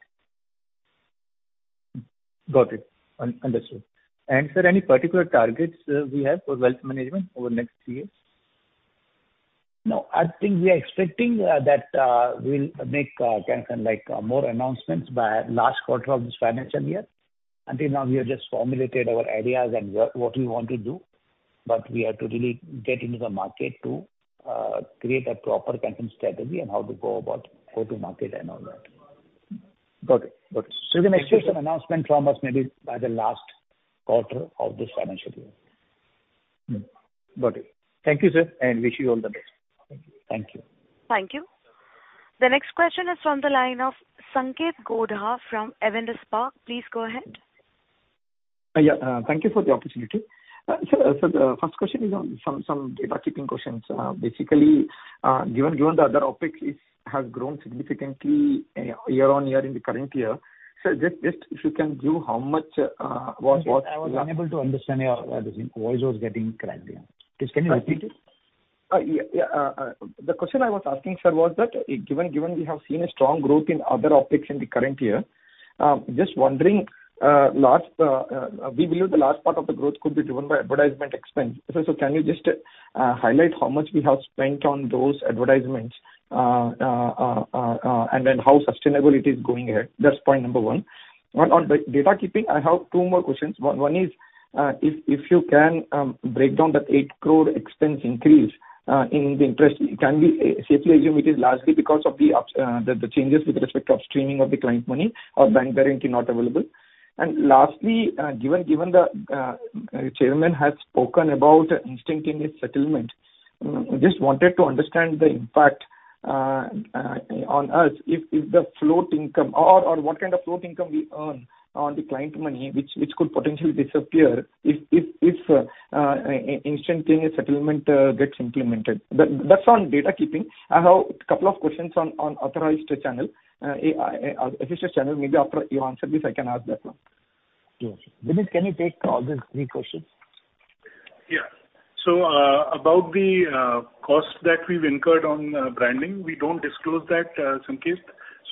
Got it. Understood. Sir, any particular targets we have for wealth management over the next three years? No, I think we are expecting that we'll make kind of like more announcements by last quarter of this financial year. Until now, we have just formulated our ideas and what we want to do, but we have to really get into the market to create a proper kind of strategy and how to go about go to market and all that. Got it. Got it. The next year, some announcement from us maybe by the last quarter of this financial year. Got it. Thank you, sir, and wish you all the best. Thank you. Thank you. The next question is from the line of Sanketh Godha from Avendus Spark. Please go ahead. Yeah, thank you for the opportunity. Sir, so the first question is on some data keeping questions. Basically, given the other topics, it has grown significantly year on year in the current year. So just if you can give how much, what, what- I was unable to understand you. Your voice was getting crackly. Please, can you repeat it? Yeah, yeah. The question I was asking, sir, was that, given we have seen a strong growth in other OpEx in the current year, just wondering, last, we believe the last part of the growth could be driven by advertisement expense. So can you just highlight how much we have spent on those advertisements? And then how sustainable it is going ahead? That's point number one. On the data keeping, I have two more questions. One is, if you can break down that 8 crore expense increase in the interest, can we safely assume it is largely because of the ups, the changes with respect to upstreaming of the client money or bank guarantee not available? Lastly, given the chairman has spoken about instantaneous settlement, just wanted to understand the impact on us if the float income or what kind of float income we earn on the client money, which could potentially disappear if instantaneous settlement gets implemented. That's on data keeping. I have a couple of questions on authorized channel, assisted channel, maybe after you answer this, I can ask that one. Yes. Vineet, can you take all these three questions? Yeah. So, about the cost that we've incurred on branding, we don't disclose that, Sanketh.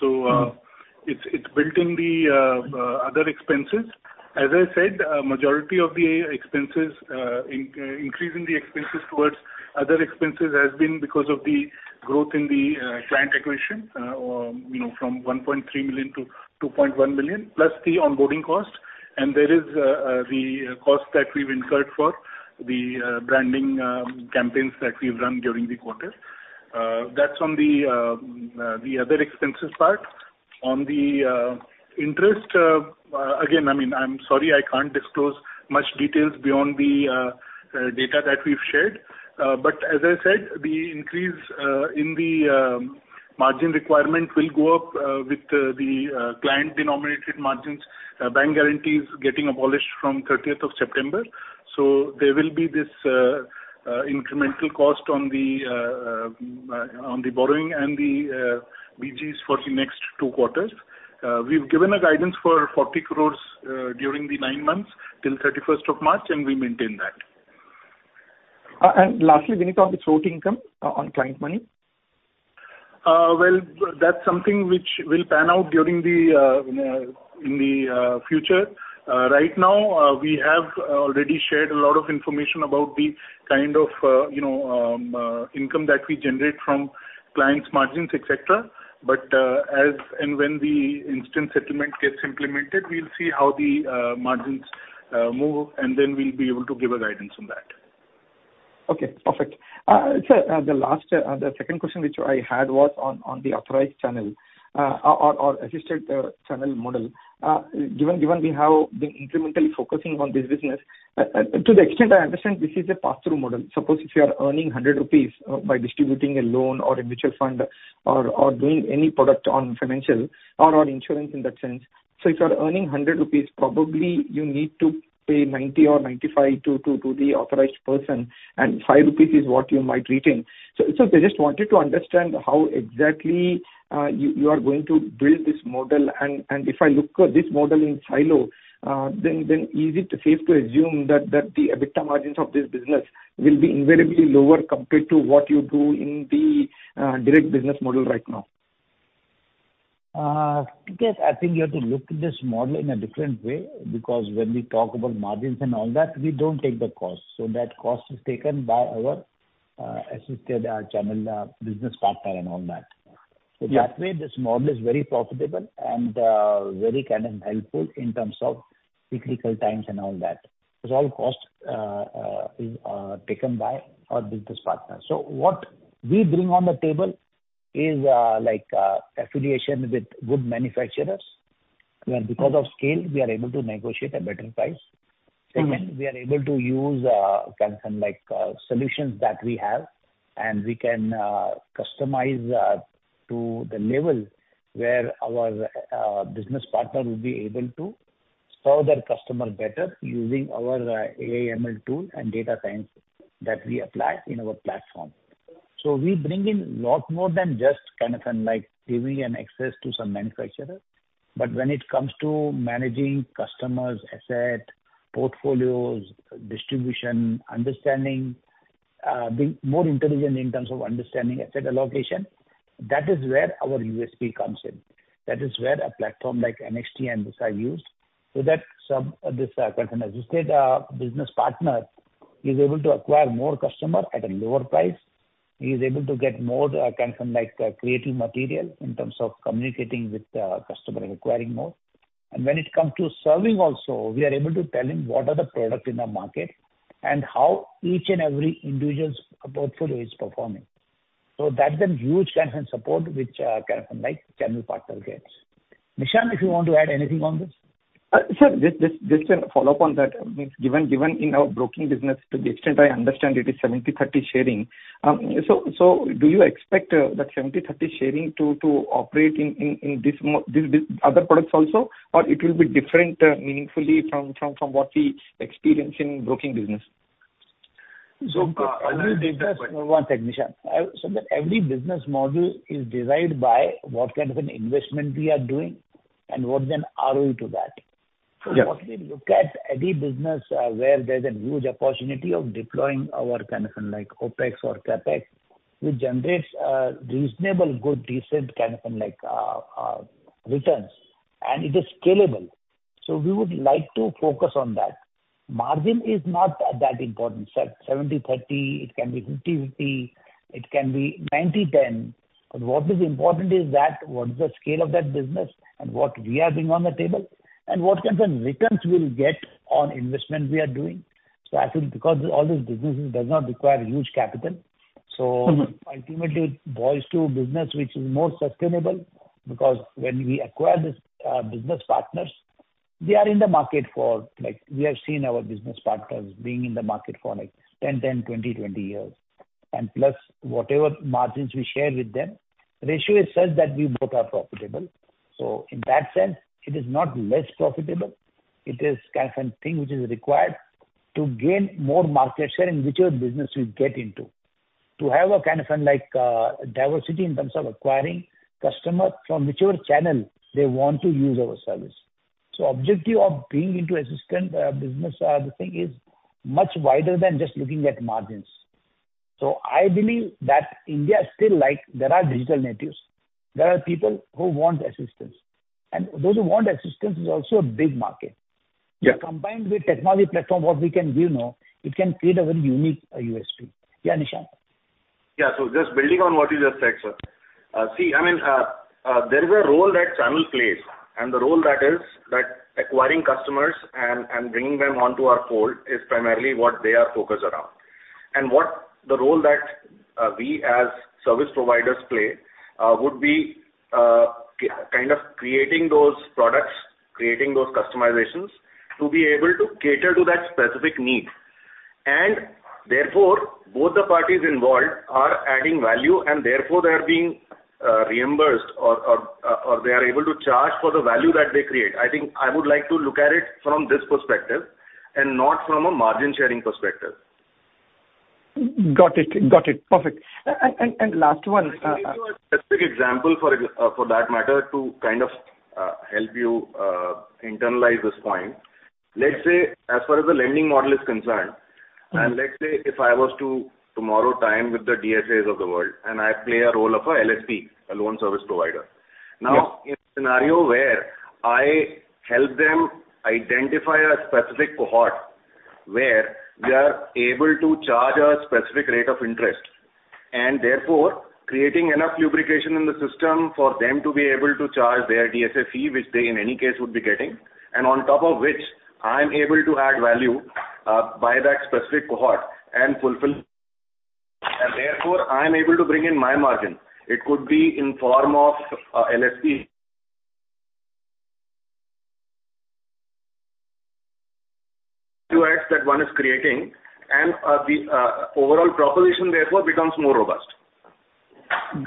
So, it's built in the other expenses. As I said, majority of the expenses increasing the expenses towards other expenses has been because of the growth in the client acquisition, or, you know, from 1.3 million-2.1 million, plus the onboarding cost. And there is the cost that we've incurred for the branding campaigns that we've run during the quarter. That's on the other expenses part. On the interest, again, I mean, I'm sorry, I can't disclose much details beyond the data that we've shared. As I said, the increase in the margin requirement will go up with the client denominated margins, bank guarantees getting abolished from 30th of September. There will be this incremental cost on the borrowing and the BGs for the next two quarters. We've given a guidance for 40 crore during the nine months, till 31st of March, and we maintain that. Lastly, Vineet, on the float income on client money? Well, that's something which will pan out during the in the future. Right now, we have already shared a lot of information about the kind of, you know, income that we generate from clients' margins, et cetera. But, as and when the instant settlement gets implemented, we'll see how the margins move, and then we'll be able to give a guidance on that. Okay, perfect. Sir, the last, the second question, which I had was on the authorized channel, or assisted channel model. Given we have been incrementally focusing on this business, to the extent I understand, this is a pass-through model. Suppose if you are earning 100 rupees by distributing a loan or a mutual fund or doing any product on financial or on insurance in that sense, if you are earning 100 rupees, probably you need to pay 90 or 95 to the authorized person, and 5 rupees is what you might retain. I just wanted to understand how exactly you are going to build this model. If I look at this model in silo, then is it safe to assume that the EBITDA margins of this business will be invariably lower compared to what you do in the direct business model right now? Yes, I think you have to look at this model in a different way, because when we talk about margins and all that, we don't take the cost. So that cost is taken by our assisted channel business partner and all that. Yeah. So that way, this model is very profitable and very kind of helpful in terms of cyclical times and all that. Because all costs are taken by our business partner. So what we bring on the table is like affiliation with good manufacturers, where because of scale, we are able to negotiate a better price. Mm-hmm. Second, we are able to use, kind of like, solutions that we have, and we can, customize, to the level where our, business partner will be able to serve their customer better using our, AI/ML tool and data science that we apply in our platform. So we bring in lot more than just kind of like giving an access to some manufacturer. But when it comes to managing customers, asset, portfolios, distribution, understanding, being more intelligent in terms of understanding asset allocation, that is where our USP comes in. That is where a platform like NXT and Visa are used, so that some, this, kind of assisted, business partner is able to acquire more customer at a lower price. He is able to get more, kind of like, creative material in terms of communicating with the customer and acquiring more. When it comes to serving also, we are able to tell him what are the product in the market and how each and every individual's portfolio is performing. That's a huge kind of support which, kind of like, channel partner gets. Nishant, if you want to add anything on this? Sir, just to follow up on that. Given in our broking business, to the extent I understand, it is 70/30 sharing. So, do you expect that 70/30 sharing to operate in this other products also? Or it will be different meaningfully from what we experience in broking business? So Nishant, so that every business model is derived by what kind of an investment we are doing and what is an ROE to that.... So what we look at any business, where there's a huge opportunity of deploying our kind of like OpEx or CapEx, which generates a reasonable, good, decent kind of like, returns, and it is scalable. So we would like to focus on that. Margin is not that important. Say 70/30, it can be 50/50, it can be 90/10. But what is important is that what is the scale of that business and what we are bringing on the table, and what kind of returns we'll get on investment we are doing. So I think because all these businesses does not require huge capital, so ultimately it boils to business which is more sustainable, because when we acquire this business partners, they are in the market for like... We have seen our business partners being in the market for like 10, 10, 20, 20 years. And plus, whatever margins we share with them, ratio is such that we both are profitable. So in that sense, it is not less profitable. It is kind of a thing which is required to gain more market share in whichever business you get into. To have a kind of like diversity in terms of acquiring customer from whichever channel they want to use our service. So objective of being into assisted business, the thing is much wider than just looking at margins. I believe that India is still like, there are digital natives, there are people who want assistance, and those who want assistance is also a big market. Yeah. Combined with technology platform, what we can give now, it can create a very unique USP. Yeah, Nishant? Yeah. So just building on what you just said, sir. See, I mean, there is a role that channel plays, and the role that is, like, acquiring customers and bringing them onto our fold is primarily what they are focused around. And what the role that we as service providers play would be kind of creating those products, creating those customizations, to be able to cater to that specific need. And therefore, both the parties involved are adding value, and therefore they are being reimbursed or they are able to charge for the value that they create. I think I would like to look at it from this perspective, and not from a margin-sharing perspective. Got it. Got it. Perfect. And last one. I'll give you a specific example, for example, for that matter, to kind of help you internalize this point. Let's say, as far as the lending model is concerned, and let's say if I was to tomorrow tie in with the DSAs of the world, and I play a role of a LSP, a loan service provider. Yeah. Now, in a scenario where I help them identify a specific cohort where we are able to charge a specific rate of interest, and therefore creating enough lubrication in the system for them to be able to charge their DSA fee, which they in any case would be getting, and on top of which I'm able to add value by that specific cohort and fulfill. And therefore, I'm able to bring in my margin. It could be in form of LSP. To add that one is creating, and the overall proposition therefore becomes more robust.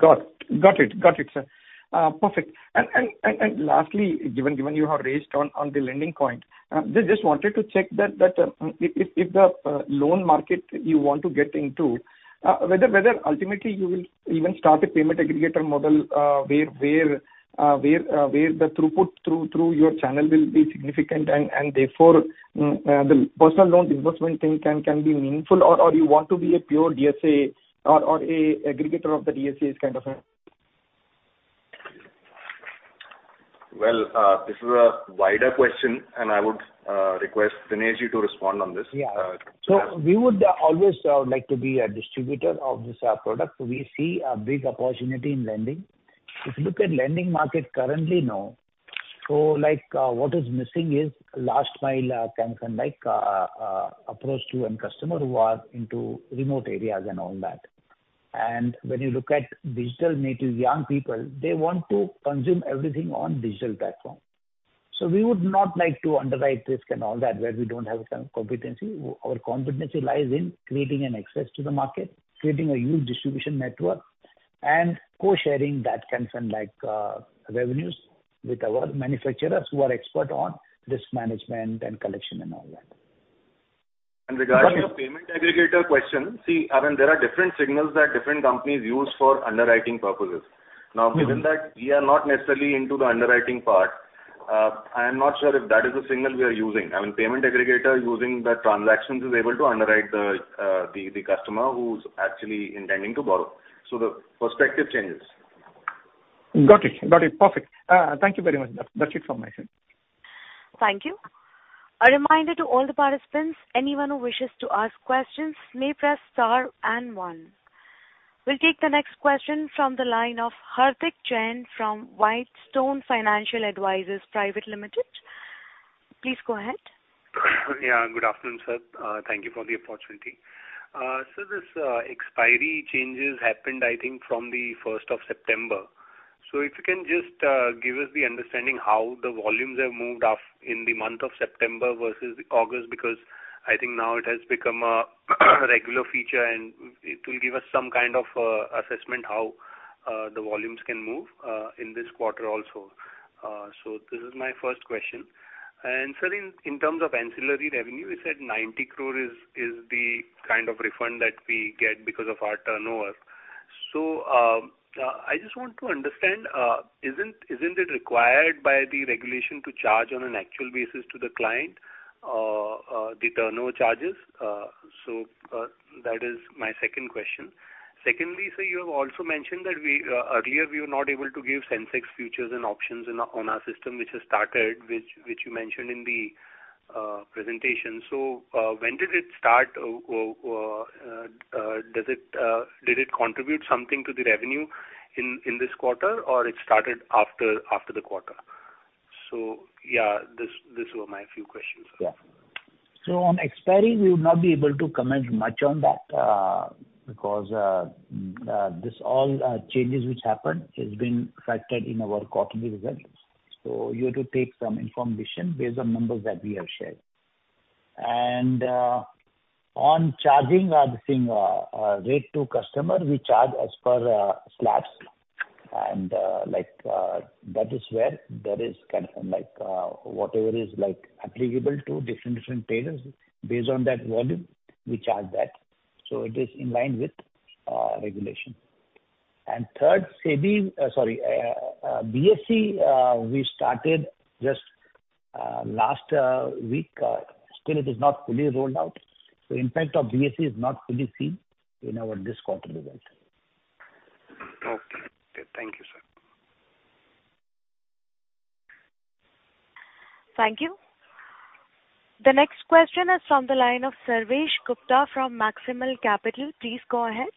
Got it. Got it, sir. Perfect. And lastly, given you have raised on the lending point, just wanted to check that if the loan market you want to get into, whether ultimately you will even start a payment aggregator model, where the throughput through your channel will be significant, and therefore the personal loan disbursement thing can be meaningful, or you want to be a pure DSA or an aggregator of the DSAs kind of a? Well, this is a wider question, and I would request Dinesh you to respond on this. Yeah. So we would always like to be a distributor of this product. We see a big opportunity in lending. If you look at lending market currently now, so like, what is missing is last mile kind of like approach to a customer who are into remote areas and all that. And when you look at digital natives, young people, they want to consume everything on digital platform. So we would not like to underwrite risk and all that, where we don't have the competency. Our competency lies in creating an access to the market, creating a huge distribution network, and co-sharing that kind of like revenues with our manufacturers who are expert on risk management and collection and all that. Regarding your payment aggregator question, see, I mean, there are different signals that different companies use for underwriting purposes. Mm-hmm. Now, given that we are not necessarily into the underwriting part, I am not sure if that is a signal we are using. I mean, payment aggregator using the transactions is able to underwrite the customer who's actually intending to borrow. So the perspective changes. Got it. Got it. Perfect. Thank you very much. That's it from my side. Thank you. A reminder to all the participants, anyone who wishes to ask questions, may press star and one. We'll take the next question from the line of Hardik Jain from Whitestone Financial Advisors Private Limited. Please go ahead. Yeah, good afternoon, sir. Thank you for the opportunity. So this expiry changes happened, I think, from the 1st of September. So if you can just give us the understanding how the volumes have moved off in the month of September versus August, because I think now it has become a regular feature, and it will give us some kind of assessment how the volumes can move in this quarter also. So this is my first question. And sir, in terms of ancillary revenue, you said 90 crore is the kind of refund that we get because of our turnover. So I just want to understand, isn't it required by the regulation to charge on an actual basis to the client the turnover charges? So that is my second question. Secondly, sir, you have also mentioned that we earlier were not able to give Sensex futures and options on our system, which has started, which you mentioned in the presentation. So, when did it start? Did it contribute something to the revenue in this quarter, or it started after the quarter? So, yeah, these were my few questions. Yeah. So on expiry, we would not be able to comment much on that, because this all changes which happened has been factored in our quarterly results. So you have to take some information based on numbers that we have shared. And on charging our, the thing, rate to customer, we charge as per slabs. And like that is where there is kind of like whatever is like applicable to different different traders. Based on that volume, we charge that, so it is in line with regulation. And third, SEBI, sorry, BSE, we started just last week. Still it is not fully rolled out, so impact of BSE is not fully seen in our this quarter result. Okay. Thank you, sir. Thank you. The next question is from the line of Sarvesh Gupta from Maximal Capital. Please go ahead.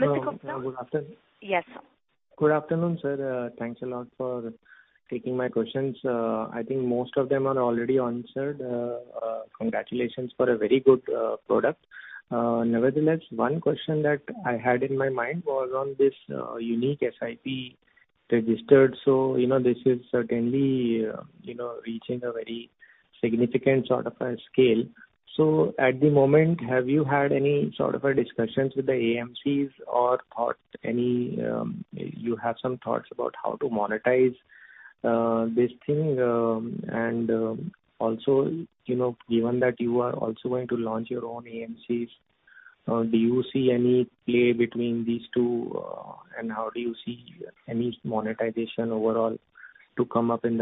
Mr. Gupta? Good afternoon. Yes, sir. Good afternoon, sir. Thanks a lot for taking my questions. I think most of them are already answered. Congratulations for a very good product. Nevertheless, one question that I had in my mind was on this unique SIP registered. So, you know, this is certainly you know, reaching a very significant sort of a scale. So at the moment, have you had any sort of a discussions with the AMCs or thoughts, any, you have some thoughts about how to monetize this thing? Also, you know, given that you are also going to launch your own AMCs, do you see any play between these two? And how do you see any monetization overall to come up in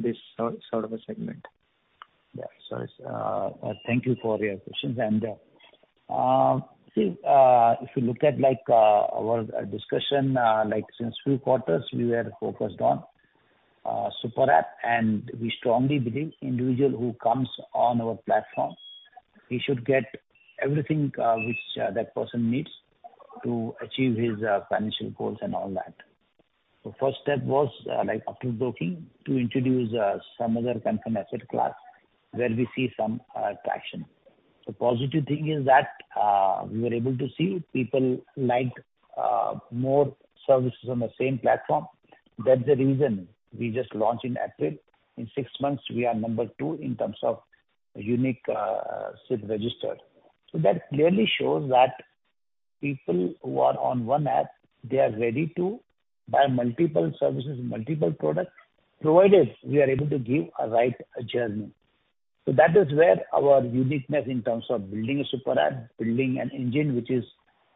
this sort of a segment? Yeah, so, thank you for your questions. See, if you look at, like, our discussion, like, since few quarters, we were focused on Super App, and we strongly believe individual who comes on our platform, he should get everything, which, that person needs to achieve his, financial goals and all that. The first step was, like, after broking, to introduce, some other kind of asset class where we see some, traction. The positive thing is that, we were able to see people like, more services on the same platform. That's the reason we just launched in April. In six months, we are number two in terms of unique, SIP registered. So that clearly shows that people who are on one app, they are ready to buy multiple services, multiple products, provided we are able to give a right journey. So that is where our uniqueness in terms of building a Super App, building an engine, which is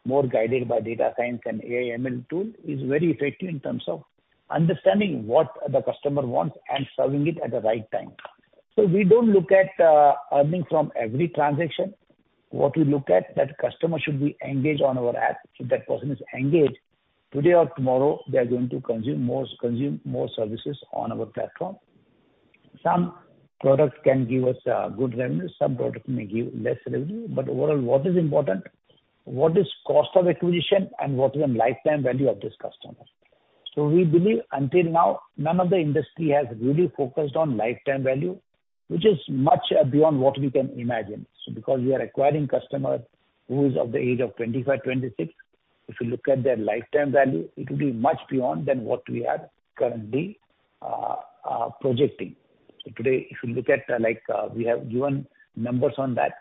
more guided by data science and AI/ML tool, is very effective in terms of understanding what the customer wants and serving it at the right time. So we don't look at earning from every transaction. What we look at, that customer should be engaged on our app. If that person is engaged, today or tomorrow, they are going to consume more, consume more services on our platform. Some products can give us good revenue, some products may give less revenue. But overall, what is important? What is cost of acquisition and what is the lifetime value of this customer? So we believe until now, none of the industry has really focused on lifetime value, which is much beyond what we can imagine. So because we are acquiring customer who is of the age of 25, 26, if you look at their lifetime value, it will be much beyond than what we are currently projecting. So today, if you look at, like, we have given numbers on that,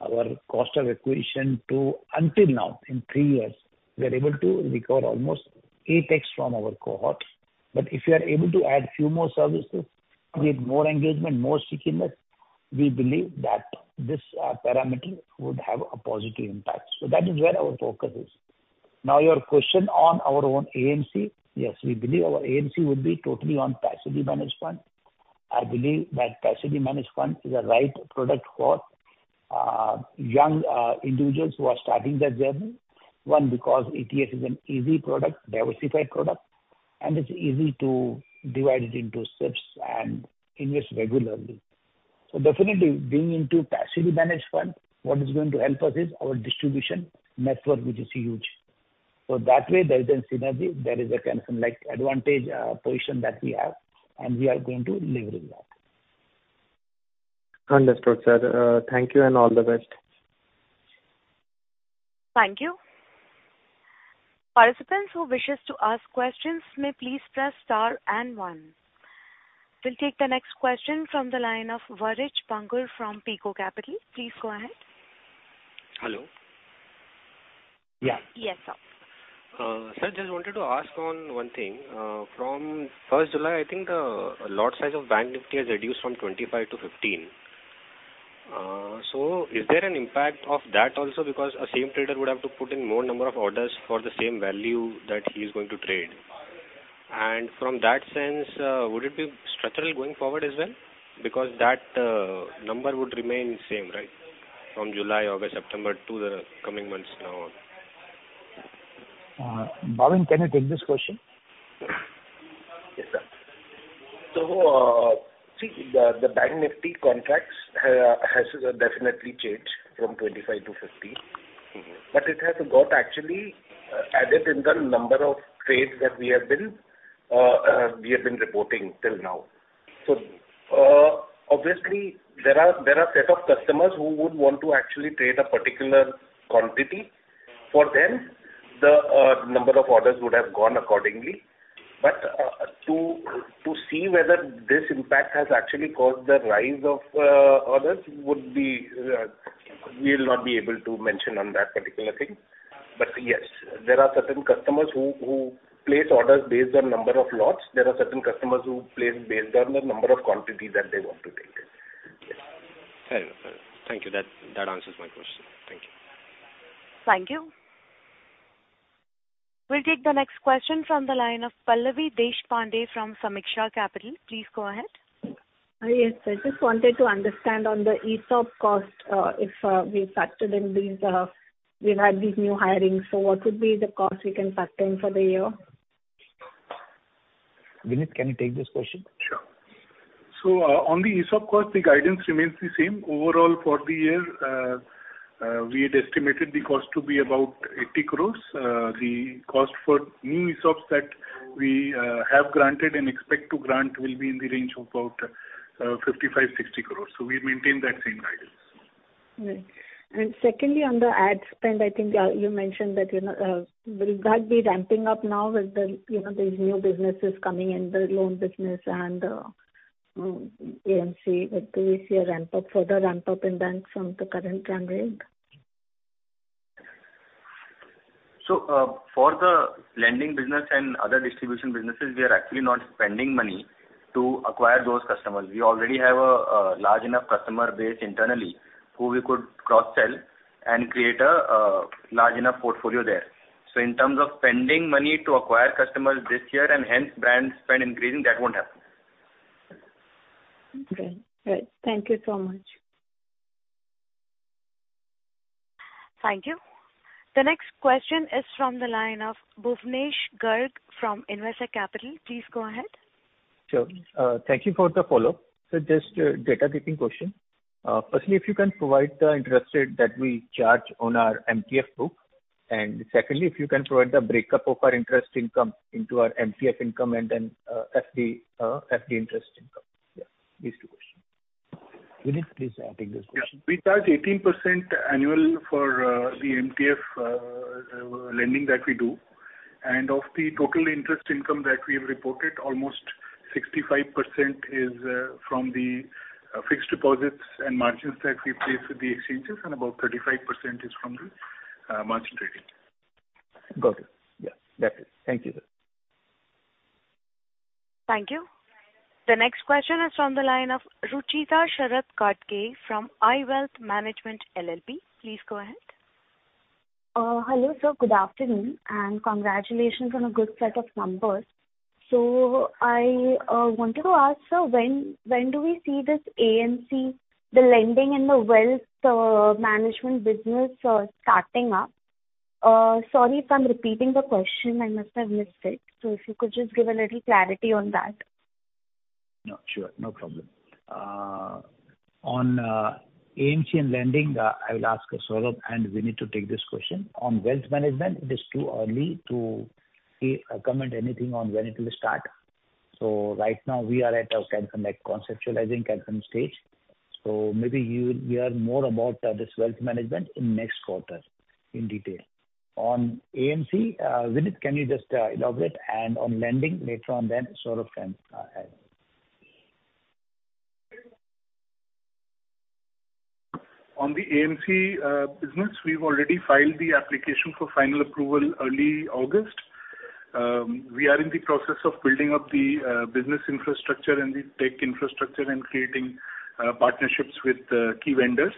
our cost of acquisition to until now, in three years, we are able to recover almost 8x from our cohorts. But if you are able to add few more services, create more engagement, more stickiness, we believe that this parameter would have a positive impact. So that is where our focus is. Now, your question on our own AMC. Yes, we believe our AMC would be totally on passively managed fund. I believe that passively managed fund is a right product for young individuals who are starting their journey. One, because ETF is an easy product, diversified product, and it's easy to divide it into steps and invest regularly. So definitely being into passively managed fund, what is going to help us is our distribution network, which is huge. So that way, there is a synergy, there is a kind of like advantage position that we have, and we are going to leverage that. Understood, sir. Thank you and all the best. Thank you. Participants who wishes to ask questions may please press star and one. We'll take the next question from the line of Varij Bangur from Pico Capital. Please go ahead. Hello? Yeah. Yes, sir. Sir, just wanted to ask on one thing. From first July, I think the lot size of Bank Nifty has reduced from 25 to 15. So is there an impact of that also? Because a same trader would have to put in more number of orders for the same value that he's going to trade. And from that sense, would it be structural going forward as well? Because that number would remain same, right? From July, August, September to the coming months now on. Bhavin, can you take this question? Yes, sir. So, see, the Bank Nifty contracts has definitely changed from 25 to 15. Mm-hmm. But it has got actually added in the number of trades that we have been reporting till now. So, obviously, there are a set of customers who would want to actually trade a particular quantity. For them, the number of orders would have gone accordingly. But, to see whether this impact has actually caused the rise of orders would be, we will not be able to mention on that particular thing. But yes, there are certain customers who place orders based on number of lots. There are certain customers who place based on the number of quantity that they want to take it. Yes. Fair enough. Thank you. That, that answers my question. Thank you. Thank you. We'll take the next question from the line of Pallavi Deshpande from Sameeksha Capital. Please go ahead. Yes, I just wanted to understand on the ESOP cost, if we've had these new hirings, so what would be the cost we can factor in for the year? Vineet, can you take this question? Sure. On the ESOP cost, the guidance remains the same. Overall, for the year, we had estimated the cost to be about 80 crore. The cost for new ESOPs that we have granted and expect to grant will be in the range of about 55-60 crore. We maintain that same guidance. Right. And secondly, on the ad spend, I think, you mentioned that, you know, will that be ramping up now with the, you know, these new businesses coming in, the loan business and, AMC? Do we see a ramp up, further ramp up in bank from the current trend? So, for the lending business and other distribution businesses, we are actually not spending money to acquire those customers. We already have a large enough customer base internally, who we could cross-sell and create a large enough portfolio there. So in terms of spending money to acquire customers this year and hence brand spend increasing, that won't happen. Okay. Right. Thank you so much. Thank you. The next question is from the line of Bhuvnesh Garg from Investec Capital. Please go ahead. Sure. Thank you for the follow-up. So just a data keeping question. Firstly, if you can provide the interest rate that we charge on our MTF book, and secondly, if you can provide the breakup of our interest income into our MTF income and then, FD, FD interest income. Yeah, these two questions. Vineet, please take this question. Yeah. We charge 18% annual for the MTF lending that we do. And of the total interest income that we have reported, almost 65% is from the fixed deposits and margins that we place with the exchanges, and about 35% is from the margin trading. Got it. Yeah, that's it. Thank you, sir. Thank you. The next question is from the line of Rucheeta Sharad Kadge from iWealth Management LLP. Please go ahead. Hello, sir, good afternoon, and congratulations on a good set of numbers. So I wanted to ask, sir, when, when do we see this AMC, the lending and the wealth management business starting up? Sorry if I'm repeating the question, I must have missed it. So if you could just give a little clarity on that. No, sure, no problem. On AMC and lending, I will ask Saurabh and Vineet to take this question. On wealth management, it is too early to say comment anything on when it will start. So right now we are at a kind of like conceptualizing kind of stage. So maybe you will hear more about this wealth management in next quarter in detail. On AMC, Vineet, can you just elaborate and on lending, later on then, Saurabh can add. On the AMC business, we've already filed the application for final approval early August. We are in the process of building up the business infrastructure and the tech infrastructure and creating partnerships with key vendors.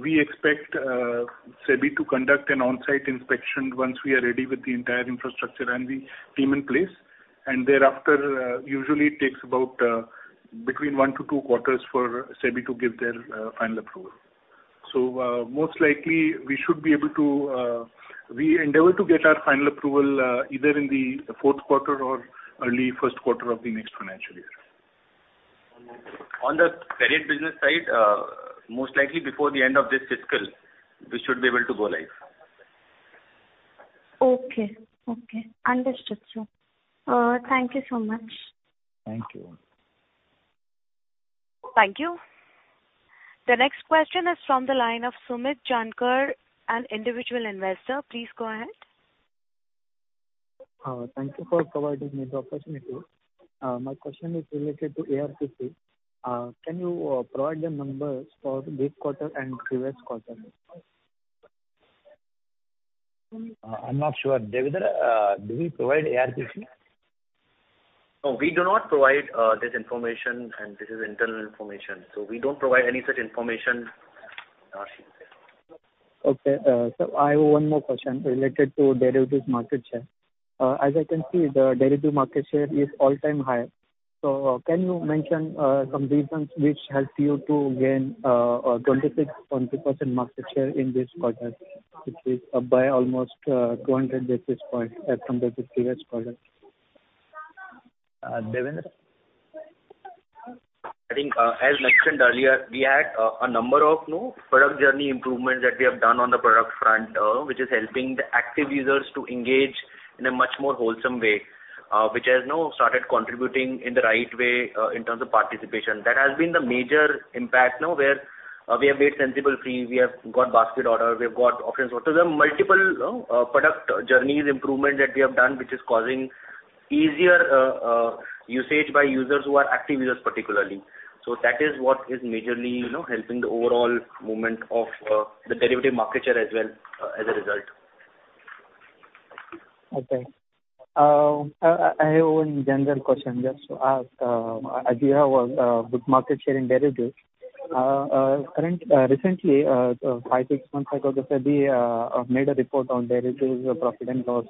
We expect SEBI to conduct an on-site inspection once we are ready with the entire infrastructure and the team in place. And thereafter, usually it takes about between one to two quarters for SEBI to give their final approval. So, most likely, we should be able to, we endeavor to get our final approval either in the fourth quarter or early first quarter of the next financial year. On the credit business side, most likely before the end of this fiscal, we should be able to go live. Okay. Okay. Understood, sir. Thank you so much. Thank you. Thank you. The next question is from the line of Sumit Jankar, an individual investor. Please go ahead. Thank you for providing me the opportunity. My question is related to ARPC. Can you provide the numbers for this quarter and previous quarter? I'm not sure. Devender, do we provide ARPC? No, we do not provide this information, and this is internal information. So we don't provide any such information here. Okay, sir, I have one more question related to derivatives market share. As I can see, the derivative market share is all-time high. So can you mention some reasons which helped you to gain a 26% market share in this quarter, which is up by almost 200 basis points as compared to previous quarter? Uh, Devender? I think, as mentioned earlier, we had a number of, you know, product journey improvements that we have done on the product front, which is helping the active users to engage in a much more wholesome way. Which has now started contributing in the right way, in terms of participation. That has been the major impact now, where, we have made sensible free, we have got basket order, we have got options. So there are multiple, product journeys improvement that we have done, which is causing easier, usage by users who are active users particularly. So that is what is majorly, you know, helping the overall movement of, the derivative market share as well, as a result. Okay. I have one general question just to ask. As you have good market share in derivatives, currently recently five to six months ago, the SEBI made a report on derivatives profit and loss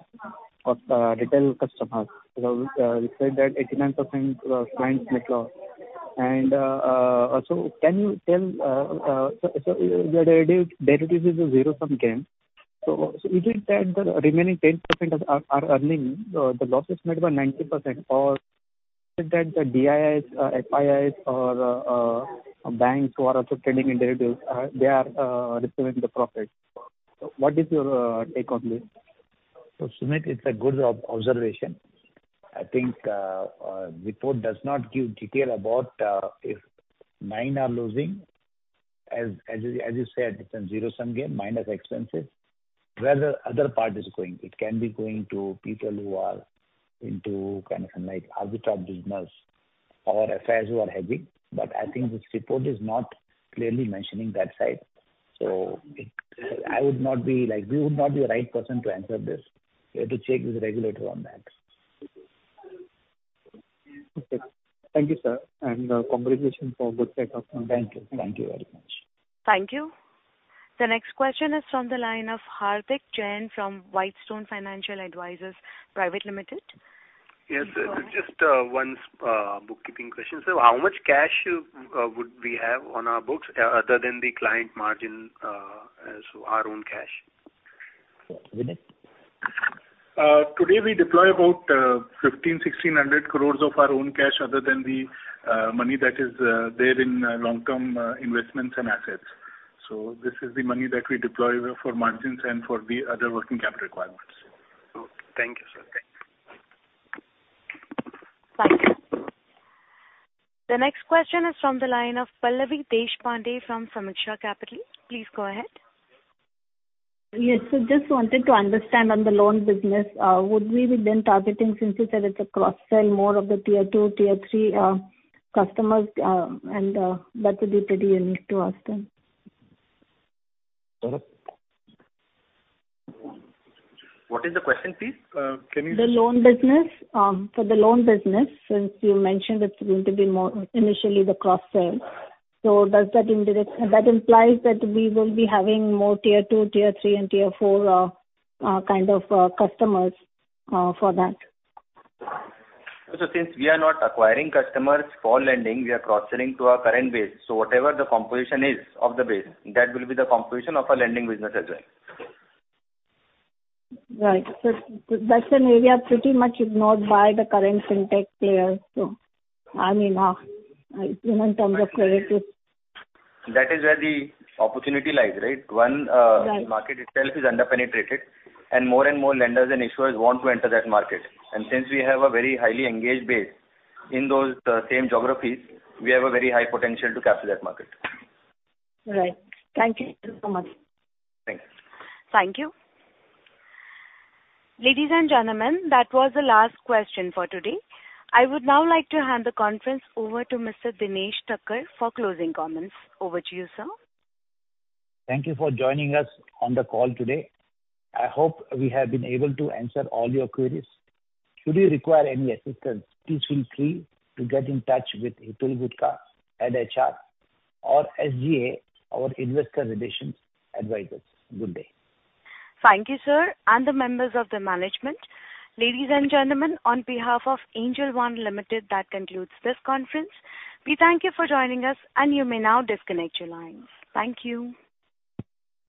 of retail customers. Which said that 89% of clients made loss. And so can you tell, so derivatives is a zero-sum game. So is it that the remaining 10% are earning the losses made by 90%, or is it that the DIIs, FIIs, or banks who are also trading individuals, they are receiving the profit? So what is your take on this? So, Sumit, it's a good observation. I think, report does not give detail about, if nine are losing, as you said, it's a zero-sum game, minus expenses, where the other part is going. It can be going to people who are into kind of like arbitrage business or FIs who are hedging. But I think this report is not clearly mentioning that side. So it... I would not be, like, we would not be the right person to answer this. You have to check with the regulator on that. Okay. Thank you, sir, and, congratulations for good set of- Thank you. Thank you very much. Thank you. The next question is from the line of Hardik Jain from Whitestone Financial Advisors Private Limited. Yes, just one bookkeeping question. So how much cash would we have on our books, other than the client margin, so our own cash? Sumit? Today we deploy about 1,500 crore-1,600 crore of our own cash, other than the money that is there in long-term investments and assets. So this is the money that we deploy for margins and for the other working capital requirements. Thank you, sir. Thank you. Thank you. The next question is from the line of Pallavi Deshpande from Sameeksha Capital. Please go ahead. Yes, so just wanted to understand on the loan business, would we be then targeting, since you said it's a cross-sell, more of the Tier 2, Tier 3, customers, and that would be pretty unique to ask them? Sir? What is the question, please? Can you- The loan business. For the loan business, since you mentioned it's going to be more initially the cross-sell. So does that indirect- That implies that we will be having more Tier 2, Tier 3, and Tier 4, kind of, customers, for that. Since we are not acquiring customers for lending, we are cross-selling to our current base. Whatever the composition is of the base, that will be the composition of our lending business as well. Right. That's an area pretty much ignored by the current FinTech players. I mean, even in terms of credit risk. That is where the opportunity lies, right? Right. One, the market itself is under-penetrated, and more and more lenders and issuers want to enter that market. And since we have a very highly engaged base in those same geographies, we have a very high potential to capture that market. Right. Thank you so much. Thanks. Thank you. Ladies and gentlemen, that was the last question for today. I would now like to hand the conference over to Mr. Dinesh Thakkar for closing comments. Over to you, sir. Thank you for joining us on the call today. I hope we have been able to answer all your queries. Should you require any assistance, please feel free to get in touch with Hitul Gutka in IR or SGA, our Investor Relations Advisors. Good day. Thank you, sir, and the members of the management. Ladies and gentlemen, on behalf of Angel One Limited, that concludes this conference. We thank you for joining us, and you may now disconnect your lines. Thank you!